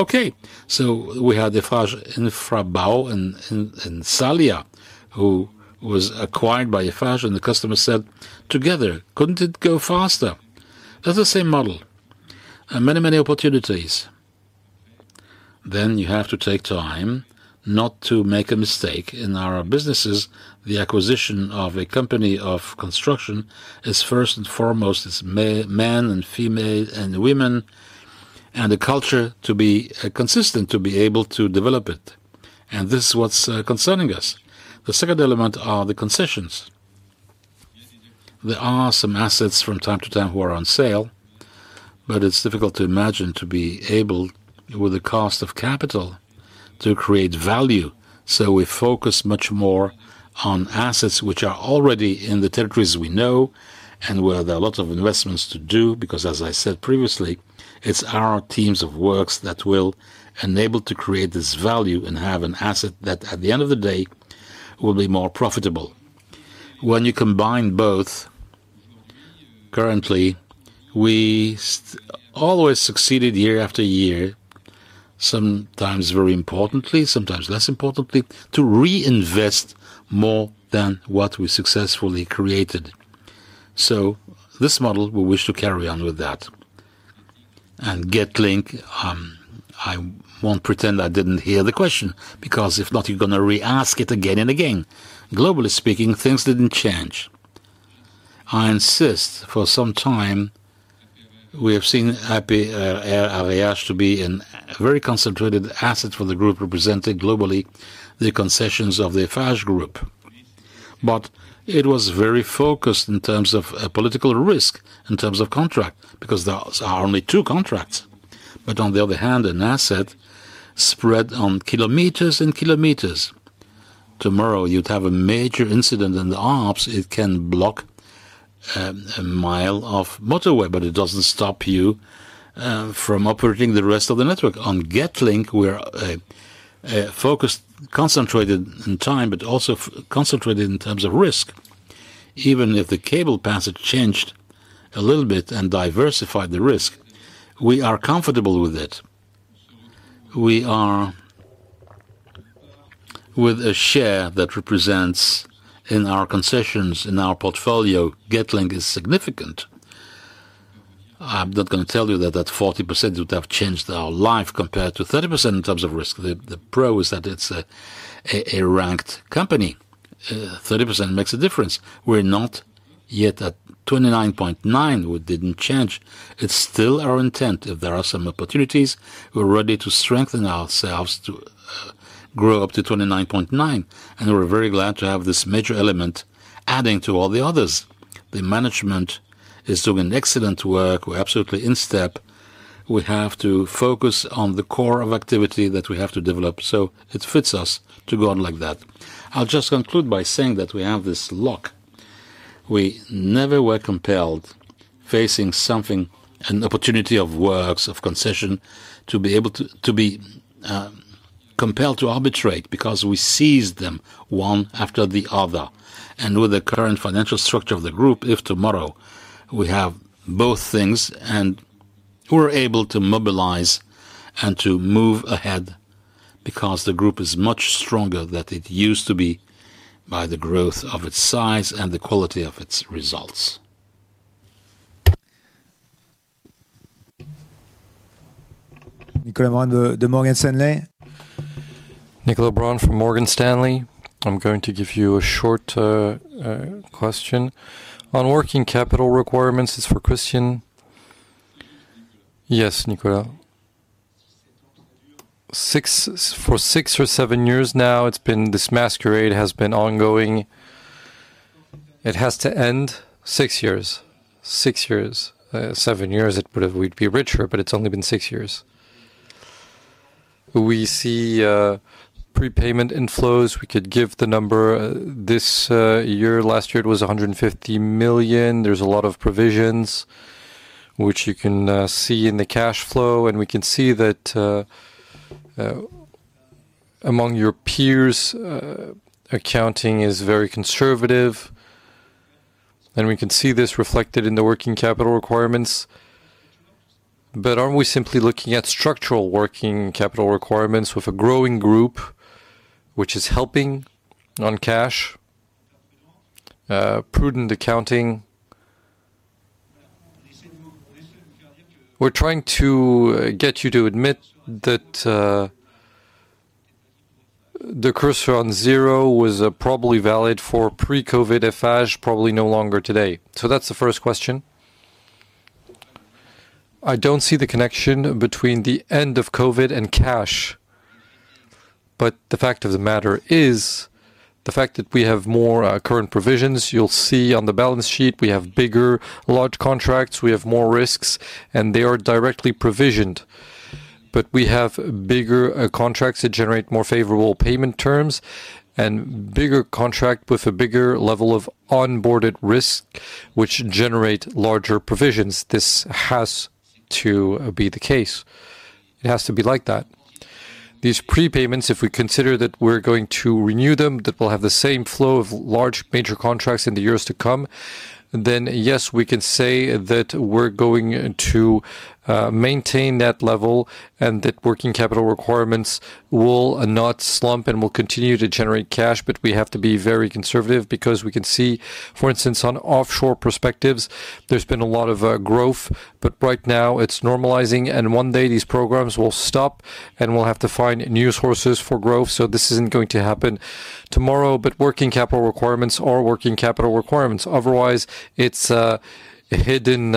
S7: Okay, we had Eiffage Infra-Bau and Salvia, who was acquired by Eiffage, and the customer said, "Together, couldn't it go faster?" That's the same model, and many opportunities. You have to take time not to make a mistake. In our businesses, the acquisition of a company of construction is first and foremost, it's men and female and women, and the culture to be consistent, to be able to develop it, and this is what's concerning us. The second element are the concessions. There are some assets from time to time who are on sale, but it's difficult to imagine to be able, with the cost of capital, to create value. We focus much more on assets which are already in the territories we know and where there are a lot of investments to do, because as I said previously, it's our teams of works that will enable to create this value and have an asset that, at the end of the day, will be more profitable. When you combine both, currently, we always succeeded year after year, sometimes very importantly, sometimes less importantly, to reinvest more than what we successfully created. This model, we wish to carry on with that. Getlink, I won't pretend I didn't hear the question, because if not, you're gonna re-ask it again and again. Globally speaking, things didn't change. I insist, for some time, we have seen APRR, AREA, AVEAST to be in very concentrated assets for the group, representing globally the concessions of the Eiffage Group. It was very focused in terms of political risk, in terms of contract, because there are only two contracts. On the other hand, an asset spread on kilometers and kilometers. Tomorrow, you'd have a major incident in the Alps, it can block a mile of motorway, but it doesn't stop you from operating the rest of the network. On Getlink, we're a focused, concentrated in time, but also concentrated in terms of risk. Even if the cable passage changed a little bit and diversified the risk, we are comfortable with it. We are with a share that represents in our concessions, in our portfolio, Getlink is significant. I'm not gonna tell you that that 40% would have changed our life compared to 30% in terms of risk. The pro is that it's a ranked company. 30% makes a difference. We're not yet at 29.9%,:we didn't change. It's still our intent. If there are some opportunities, we're ready to strengthen ourselves to grow up to 29.9. We're very glad to have this major element adding to all the others. The management is doing excellent work. We're absolutely in step. We have to focus on the core of activity that we have to develop. It fits us to go on like that. I'll just conclude by saying that we have this lock. We never were compelled, facing something, an opportunity of works, of concession, to be able to, compelled to arbitrate, because we seized them one after the other. With the current financial structure of the group, if tomorrow we have both things and we're able to mobilize and to move ahead because the group is much stronger than it used to be by the growth of its size and the quality of its results.
S1: Nicolas Mora, the Morgan Stanley?
S8: Nicolas Mora from Morgan Stanley. I'm going to give you a short question. On working capital requirements, this is for Christian.
S2: Yes, Nicolas.
S8: For six or seven years now, this masquerade has been ongoing. It has to end. Six years. Six years, seven years, we'd be richer, but it's only been six years. We see prepayment inflows. We could give the number. This year, last year, it was 150 million. There's a lot of provisions, which you can see in the cash flow, and we can see that among your peers, accounting is very conservative, and we can see this reflected in the working capital requirements. Aren't we simply looking at structural working capital requirements with a growing group, which is helping on cash, prudent accounting? We're trying to get you to admit that the cursor on zero was, probably valid for pre-COVID Eiffage, probably no longer today. That's the first question.
S2: I don't see the connection between the end of COVID and cash, the fact of the matter is, the fact that we have more, current provisions, you'll see on the balance sheet, we have bigger large contracts, we have more risks, and they are directly provisioned. We have bigger, contracts that generate more favorable payment terms, and bigger contract with a bigger level of onboarded risk, which generate larger provisions. This has to be the case. It has to be like that. These prepayments, if we consider that we're going to renew them, that we'll have the same flow of large major contracts in the years to come, then yes, we can say that we're going to maintain that level, and that working capital requirements will not slump and will continue to generate cash. We have to be very conservative because we can see, for instance, on offshore perspectives, there's been a lot of growth, but right now it's normalizing, and one day these programs will stop, and we'll have to find new sources for growth. This isn't going to happen tomorrow, but working capital requirements are working capital requirements. Otherwise, it's a hidden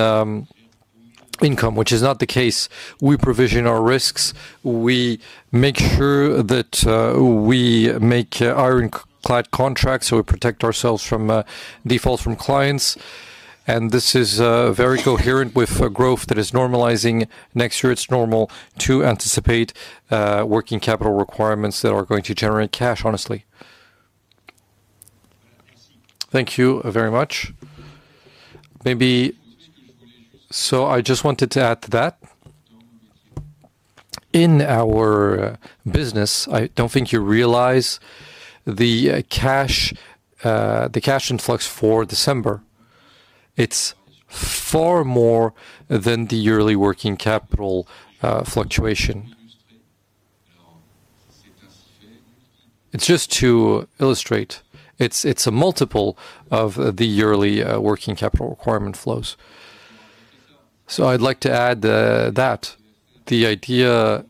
S2: income, which is not the case. We provision our risks. We make sure that we make ironclad contracts, so we protect ourselves from defaults from clients. This is very coherent with a growth that is normalizing. Next year, it's normal to anticipate working capital requirements that are going to generate cash, honestly.
S8: Thank you very much.
S1: Maybe. I just wanted to add to that. In our business, I don't think you realize the cash, the cash influx for December. It's far more than the yearly working capital fluctuation. It's just to illustrate, it's a multiple of the yearly working capital requirement flows. I'd like to add that. The idea,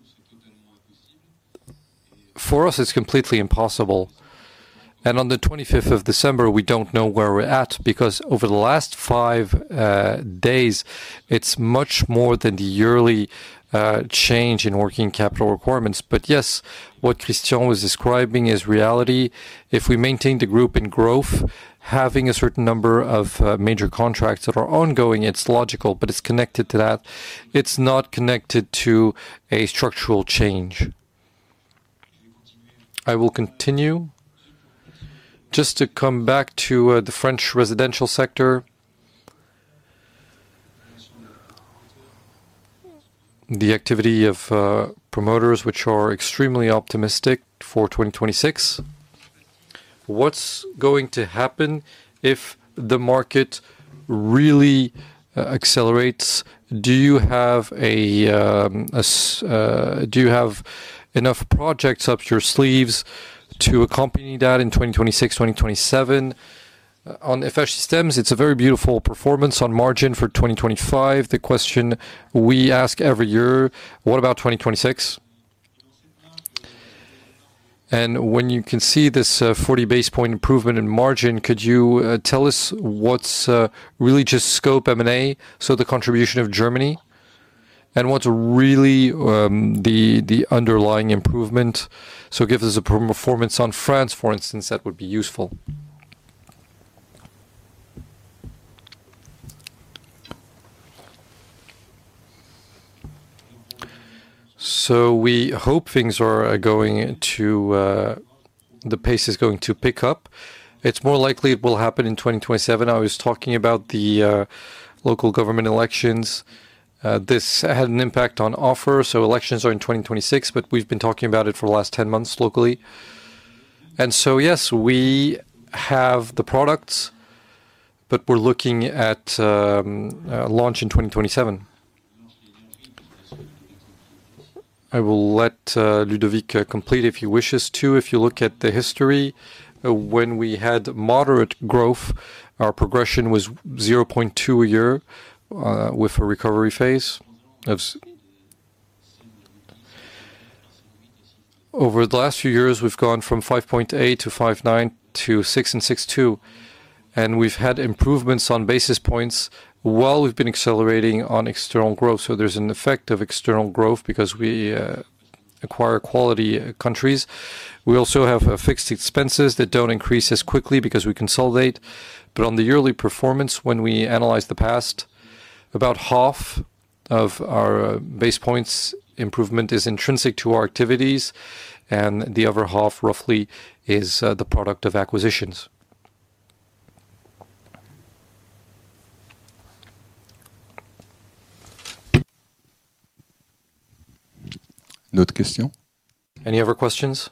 S1: for us, is completely impossible, and on the 25th of December, we don't know where we're at, because over the last five days, it's much more than the yearly change in working capital requirements. Yes, what Christian was describing is reality. We maintain the group in growth, having a certain number of major contracts that are ongoing, it's logical, but it's connected to that. It's not connected to a structural change.
S8: I will continue. Just to come back to the French residential sector, the activity of promoters, which are extremely optimistic for 2026. What's going to happen if the market really accelerates? Do you have enough projects up your sleeves to accompany that in 2026, 2027? On Eiffage Systems, it's a very beautiful performance on margin for 2025. The question we ask every year: What about 2026? When you can see this, 40 basis point improvement in margin, could you tell us what's really just scope M&A, so the contribution of Germany, and what's really the underlying improvement? Give us a pro performance on France, for instance. That would be useful.
S2: We hope things are going to pick up. It's more likely it will happen in 2027. I was talking about the local government elections. This had an impact on offer, so elections are in 2026, but we've been talking about it for the last 10 months locally. Yes, we have the products, but we're looking at launch in 2027. I will let Ludovic complete if he wishes to.
S7: If you look at the history, when we had moderate growth, our progression was 0.2% a year, with a recovery phase. Over the last few years, we've gone from 5.8% to 5.9% to 6% and 6.2%, and we've had improvements on basis points while we've been accelerating on external growth. There's an effect of external growth because we acquire quality countries. We also have fixed expenses that don't increase as quickly because we consolidate. On the yearly performance, when we analyze the past, about half of our basis points improvement is intrinsic to our activities, and the other half, roughly, is the product of acquisitions.
S1: Any other question?
S2: Any other questions?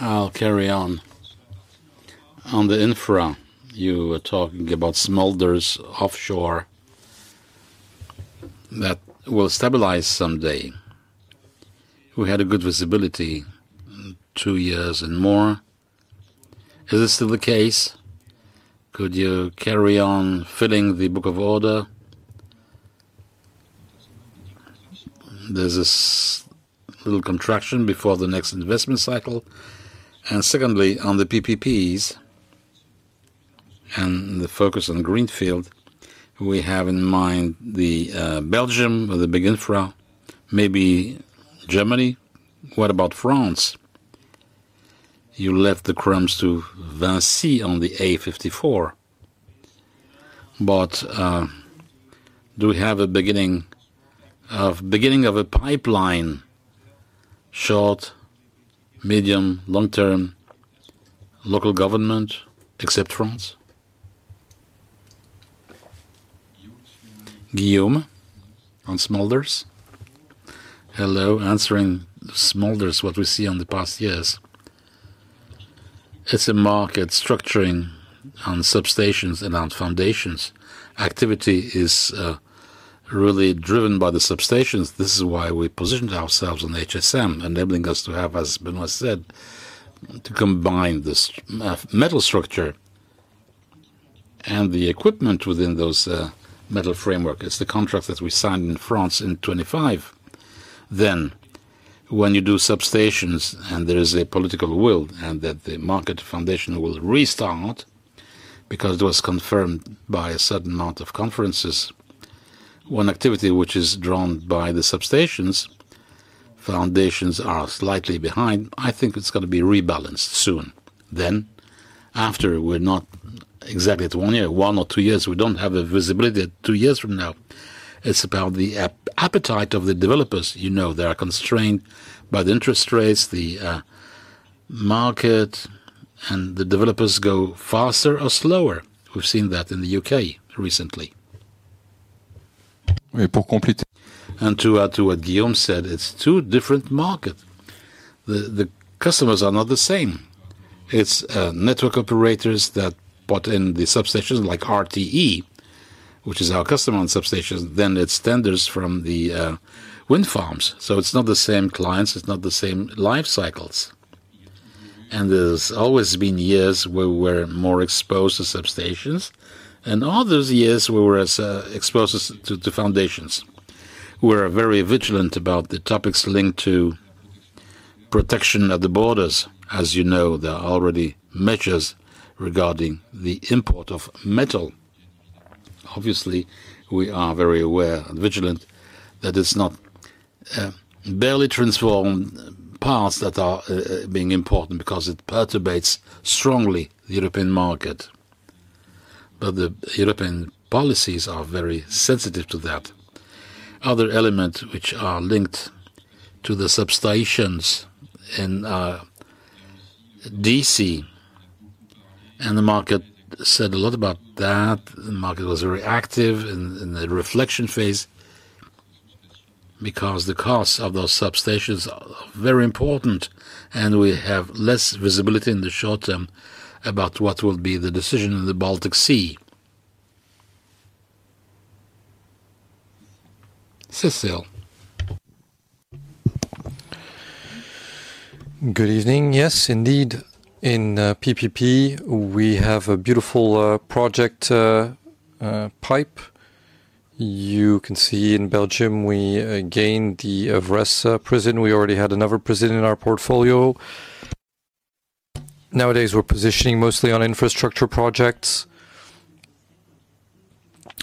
S6: I'll carry on. On the infra, you were talking about Smulders offshore. That will stabilize someday. We had a good visibility, two years and more. Is this still the case? Could you carry on filling the book of order? There's this little contraction before the next investment cycle. Secondly, on the PPPs and the focus on Greenfield, we have in mind Belgium with the big infra, maybe Germany. What about France? You left the crumbs to Vinci on the A54. Do we have a beginning of a pipeline, short, medium, long-term, local government, except France?
S1: Guillaume, on Smulders.
S9: Hello, answering Smulders, what we see on the past years. It's a market structuring on substations and on foundations. Activity is really driven by the substations. This is why we positioned ourselves on HSM, enabling us to have, as Benoît said, to combine this metal structure and the equipment within those metal framework. It's the contract that we signed in France in 2025. When you do substations and there is a political will, and that the market foundation will restart because it was confirmed by a certain amount of conferences. One activity which is drawn by the substations, foundations are slightly behind. I think it's going to be rebalanced soon. After, we're not exactly at one year, one or two years, we don't have a visibility at two years from now. It's about the appetite of the developers. You know, they are constrained by the interest rates, the market, and the developers go faster or slower. We've seen that in the U.K. recently.
S1: To add to what Guillaume said, it's two different market. The customers are not the same. It's network operators that bought in the substations like RTE, which is our customer on substations, it's tenders from the wind farms. It's not the same clients, it's not the same life cycles. There's always been years where we're more exposed to substations, and other years we were as exposed to foundations. We're very vigilant about the topics linked to protection at the borders. As you know, there are already measures regarding the import of metal. Obviously, we are very aware and vigilant that it's not barely transformed parts that are being important because it perturbates strongly the European market. The European policies are very sensitive to that. Other elements which are linked to the substations in DC, and the market said a lot about that. The market was very active in the reflection phase because the costs of those substations are very important, and we have less visibility in the short term about what will be the decision of the Baltic Sea. Cécile?
S10: Good evening. Yes, indeed, in PPP, we have a beautiful project pipe. You can see in Belgium, we gained the Evereste prison. We already had another prison in our portfolio. Nowadays, we're positioning mostly on infrastructure projects,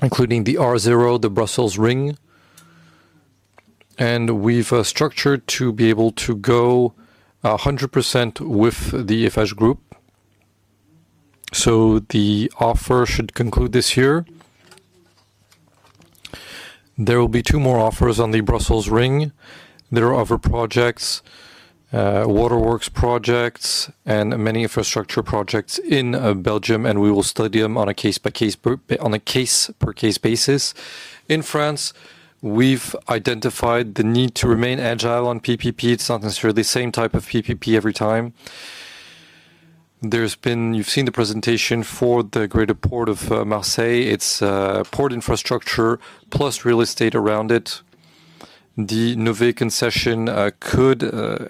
S10: including the R0, the Brussels Ring, and we've structured to be able to go 100% with the Eiffage Group. The offer should conclude this year. There will be two more offers on the Brussels Ring. There are other projects, waterworks projects, and many infrastructure projects in Belgium, and we will study them on a case-per-case basis. In France, we've identified the need to remain agile on PPP. It's not necessarily the same type of PPP every time. You've seen the presentation for the Greater Port of Marseille. It's port infrastructure plus real estate around it. The Nové concession could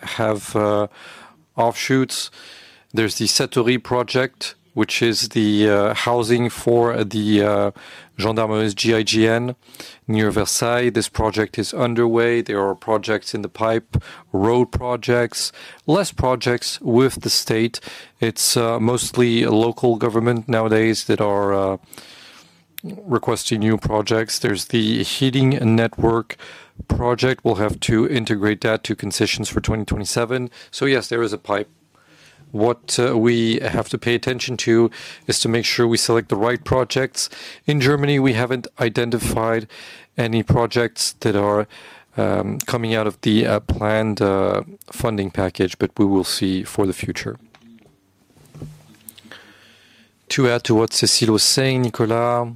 S10: have offshoots. There's the CapSatory project, which is the housing for the Gendarmerie GIGN near Versailles. This project is underway. There are projects in the pipe, road projects, less projects with the state. It's mostly local government nowadays that are requesting new projects. There's the heating and network project. We'll have to integrate that to concessions for 2027. Yes, there is a pipe. What we have to pay attention to is to make sure we select the right projects.
S2: In Germany, we haven't identified any projects that are coming out of the planned funding package, but we will see for the future.
S1: To add to what Cécile was saying, Nicolas,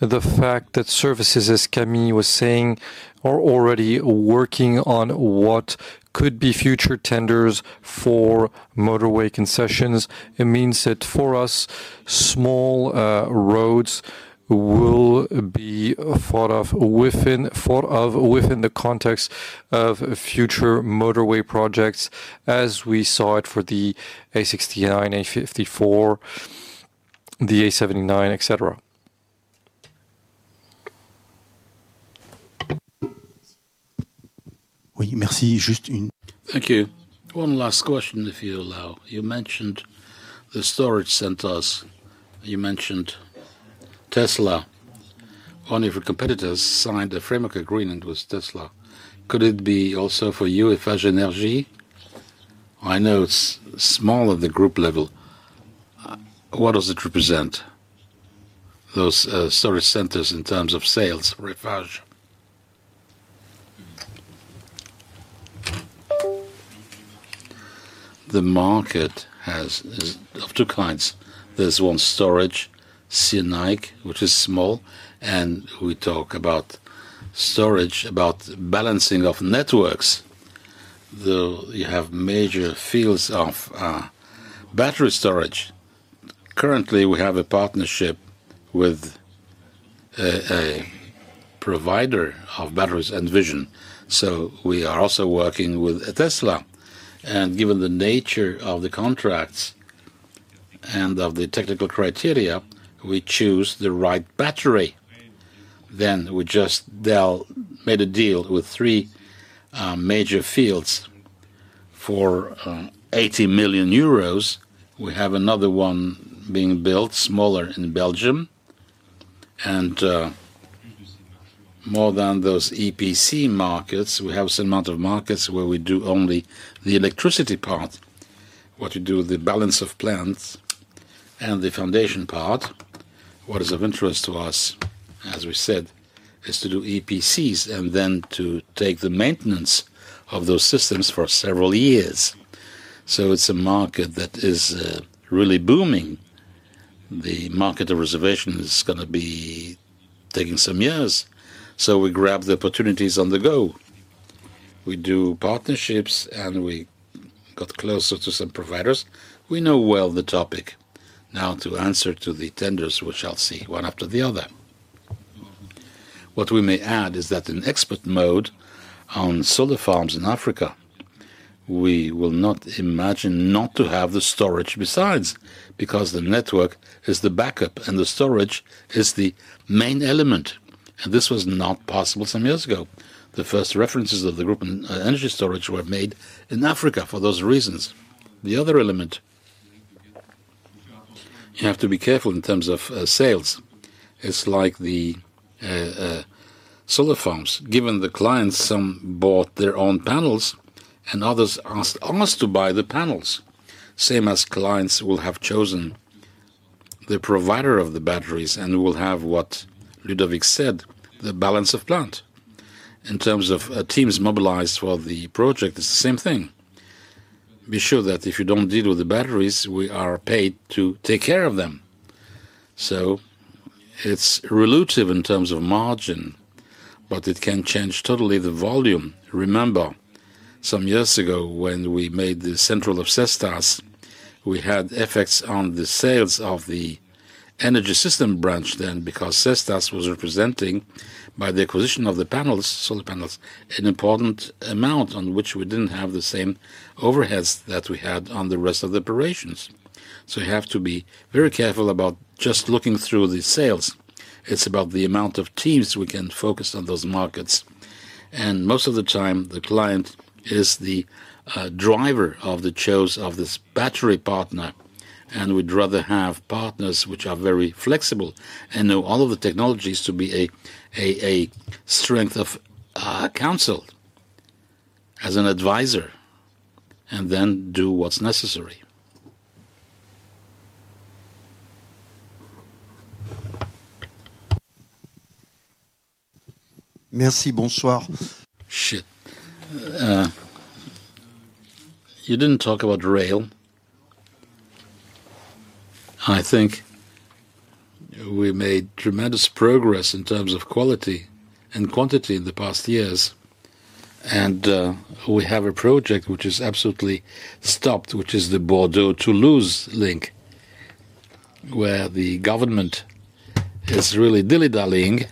S1: the fact that services, as Camille was saying, are already working on what could be future tenders for motorway concessions. It means that for us, small roads will be thought of within the context of future motorway projects, as we saw it for the A69, A54, the A79, et cetera. Merci.
S8: Thank you. One last question, if you allow. You mentioned the storage centers, you mentioned Tesla. One of your competitors signed a framework agreement with Tesla. Could it be also for you, Eiffage Energy? I know it's small at the group level. What does it represent, those storage centers in terms of sales for Eiffage?
S1: The market is of two kinds. There's one storage, C&I, which is small, and we talk about storage, about balancing of networks, though you have major fields of battery storage. Currently, we have a partnership with a provider of batteries Envision. We are also working with Tesla, and given the nature of the contracts and of the technical criteria, we choose the right battery. We just made a deal with three major fields for 80 million euros. We have another one being built, smaller, in Belgium. More than those EPC markets, we have some amount of markets where we do only the electricity part. What we do, the balance of plants and the foundation part. What is of interest to us, as we said, is to do EPCs and then to take the maintenance of those systems for several years. It's a market that is really booming. The market of reservation is gonna be taking some years, so we grab the opportunities on the go. We do partnerships, and we got closer to some providers. We know well the topic. To answer to the tenders, which I'll see one after the other. What we may add is that in expert mode, on solar farms in Africa, we will not imagine not to have the storage besides, because the network is the backup, and the storage is the main element, and this was not possible some years ago. The first references of the group in energy storage were made in Africa for those reasons. The other element, you have to be careful in terms of sales. It's like the solar farms. Given the clients, some bought their own panels, and others asked us to buy the panels. Same as clients will have chosen the provider of the batteries and will have what Ludovic said, the balance of plant. In terms of teams mobilized for the project, it's the same thing. Be sure that if you don't deal with the batteries, we are paid to take care of them. It's relative in terms of margin, but it can change totally the volume. Remember, some years ago, when we made the central of Cestas, we had effects on the sales of the energy system branch then, because Cestas was representing, by the acquisition of the panels, solar panels, an important amount on which we didn't have the same overheads that we had on the rest of the operations. You have to be very careful about just looking through the sales. It's about the amount of teams we can focus on those markets, and most of the time, the client is the driver of the choice of this battery partner and would rather have partners which are very flexible and know all of the technologies to be a strength of counsel as an advisor, and then do what's necessary.
S8: Merci, bonsoir.
S1: Shit! You didn't talk about rail. I think we made tremendous progress in terms of quality and quantity in the past years. We have a project which is absolutely stopped, which is the Bordeaux-Toulouse link, where the government is really dilly-dallying.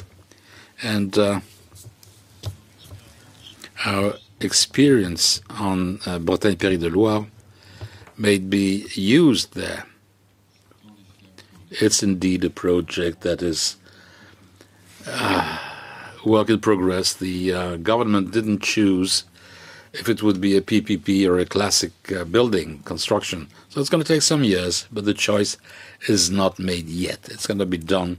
S1: Our experience on Bretagne-Pays de la Loire may be used there. It's indeed a project that is, work in progress. The government didn't choose if it would be a PPP or a classic building construction. It's gonna take some years, but the choice is not made yet. It's gonna be done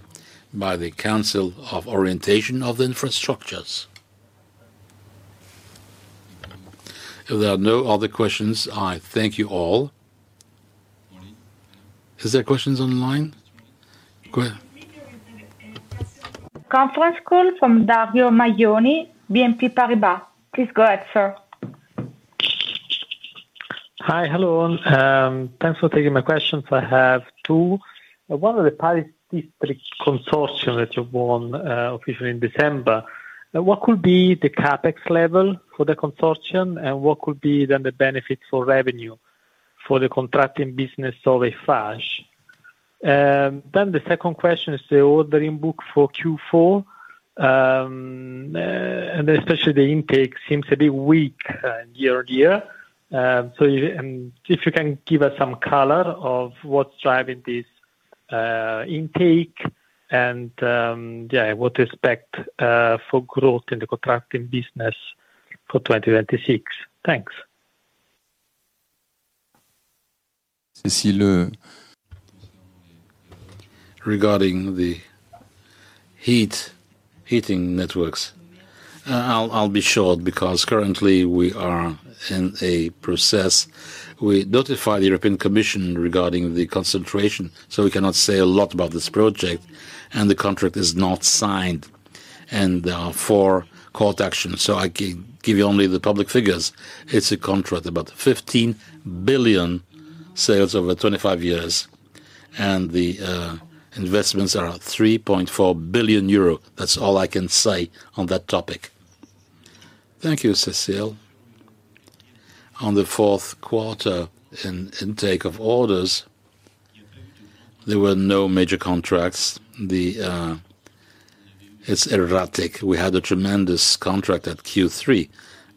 S1: by the Conseil d'orientation des infrastructures. If there are no other questions, I thank you all. Is there questions online? Go ahead.
S11: Conference call from Dario Maggioni, BNP Paribas. Please go ahead, sir.
S12: Hi. Hello, thanks for taking my questions. I have two. One of the Paris district consortium that you won officially in December, what could be the CapEx level for the consortium, and what could be the benefit for revenue for the contracting business of Eiffage? The second question is the ordering book for Q4, and especially the intake seems a bit weak year-on-year. If you can give us some color of what's driving this intake and, yeah, what to expect for growth in the contracting business for 2026. Thanks.
S10: See the regarding the heating networks, I'll be short because currently we are in a process. We notify the European Commission regarding the concentration, we cannot say a lot about this project, and the contract is not signed, for call to action. I give you only the public figures. It's a contract, about 15 billion sales over 25 years, and the investments are at 3.4 billion euro. That's all I can say on that topic.
S1: Thank you, Cecile. On the fourth quarter in intake of orders, there were no major contracts. It's erratic. We had a tremendous contract at Q3.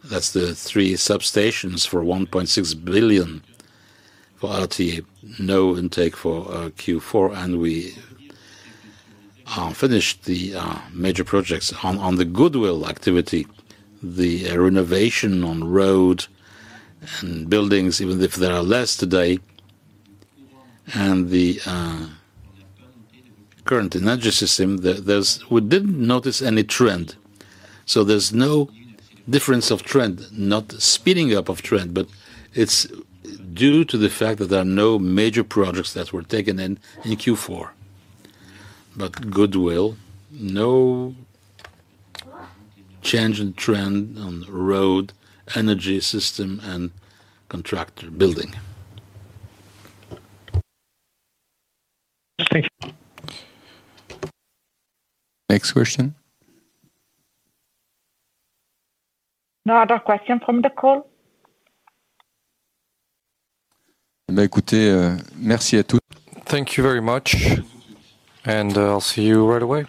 S1: That's the three substations for 1.6 billion for RTE, no intake for Q4, and we finished the major projects. On the goodwill activity, the renovation on road and buildings, even if there are less today, and the current energy system, there's we didn't notice any trend. There's no difference of trend, not speeding up of trend, but it's due to the fact that there are no major projects that were taken in Q4. Goodwill, no change in trend on the road, energy system, and contractor building.
S12: Thank you.
S1: Next question.
S11: No other question from the call.
S1: Thank you very much, and I'll see you right away.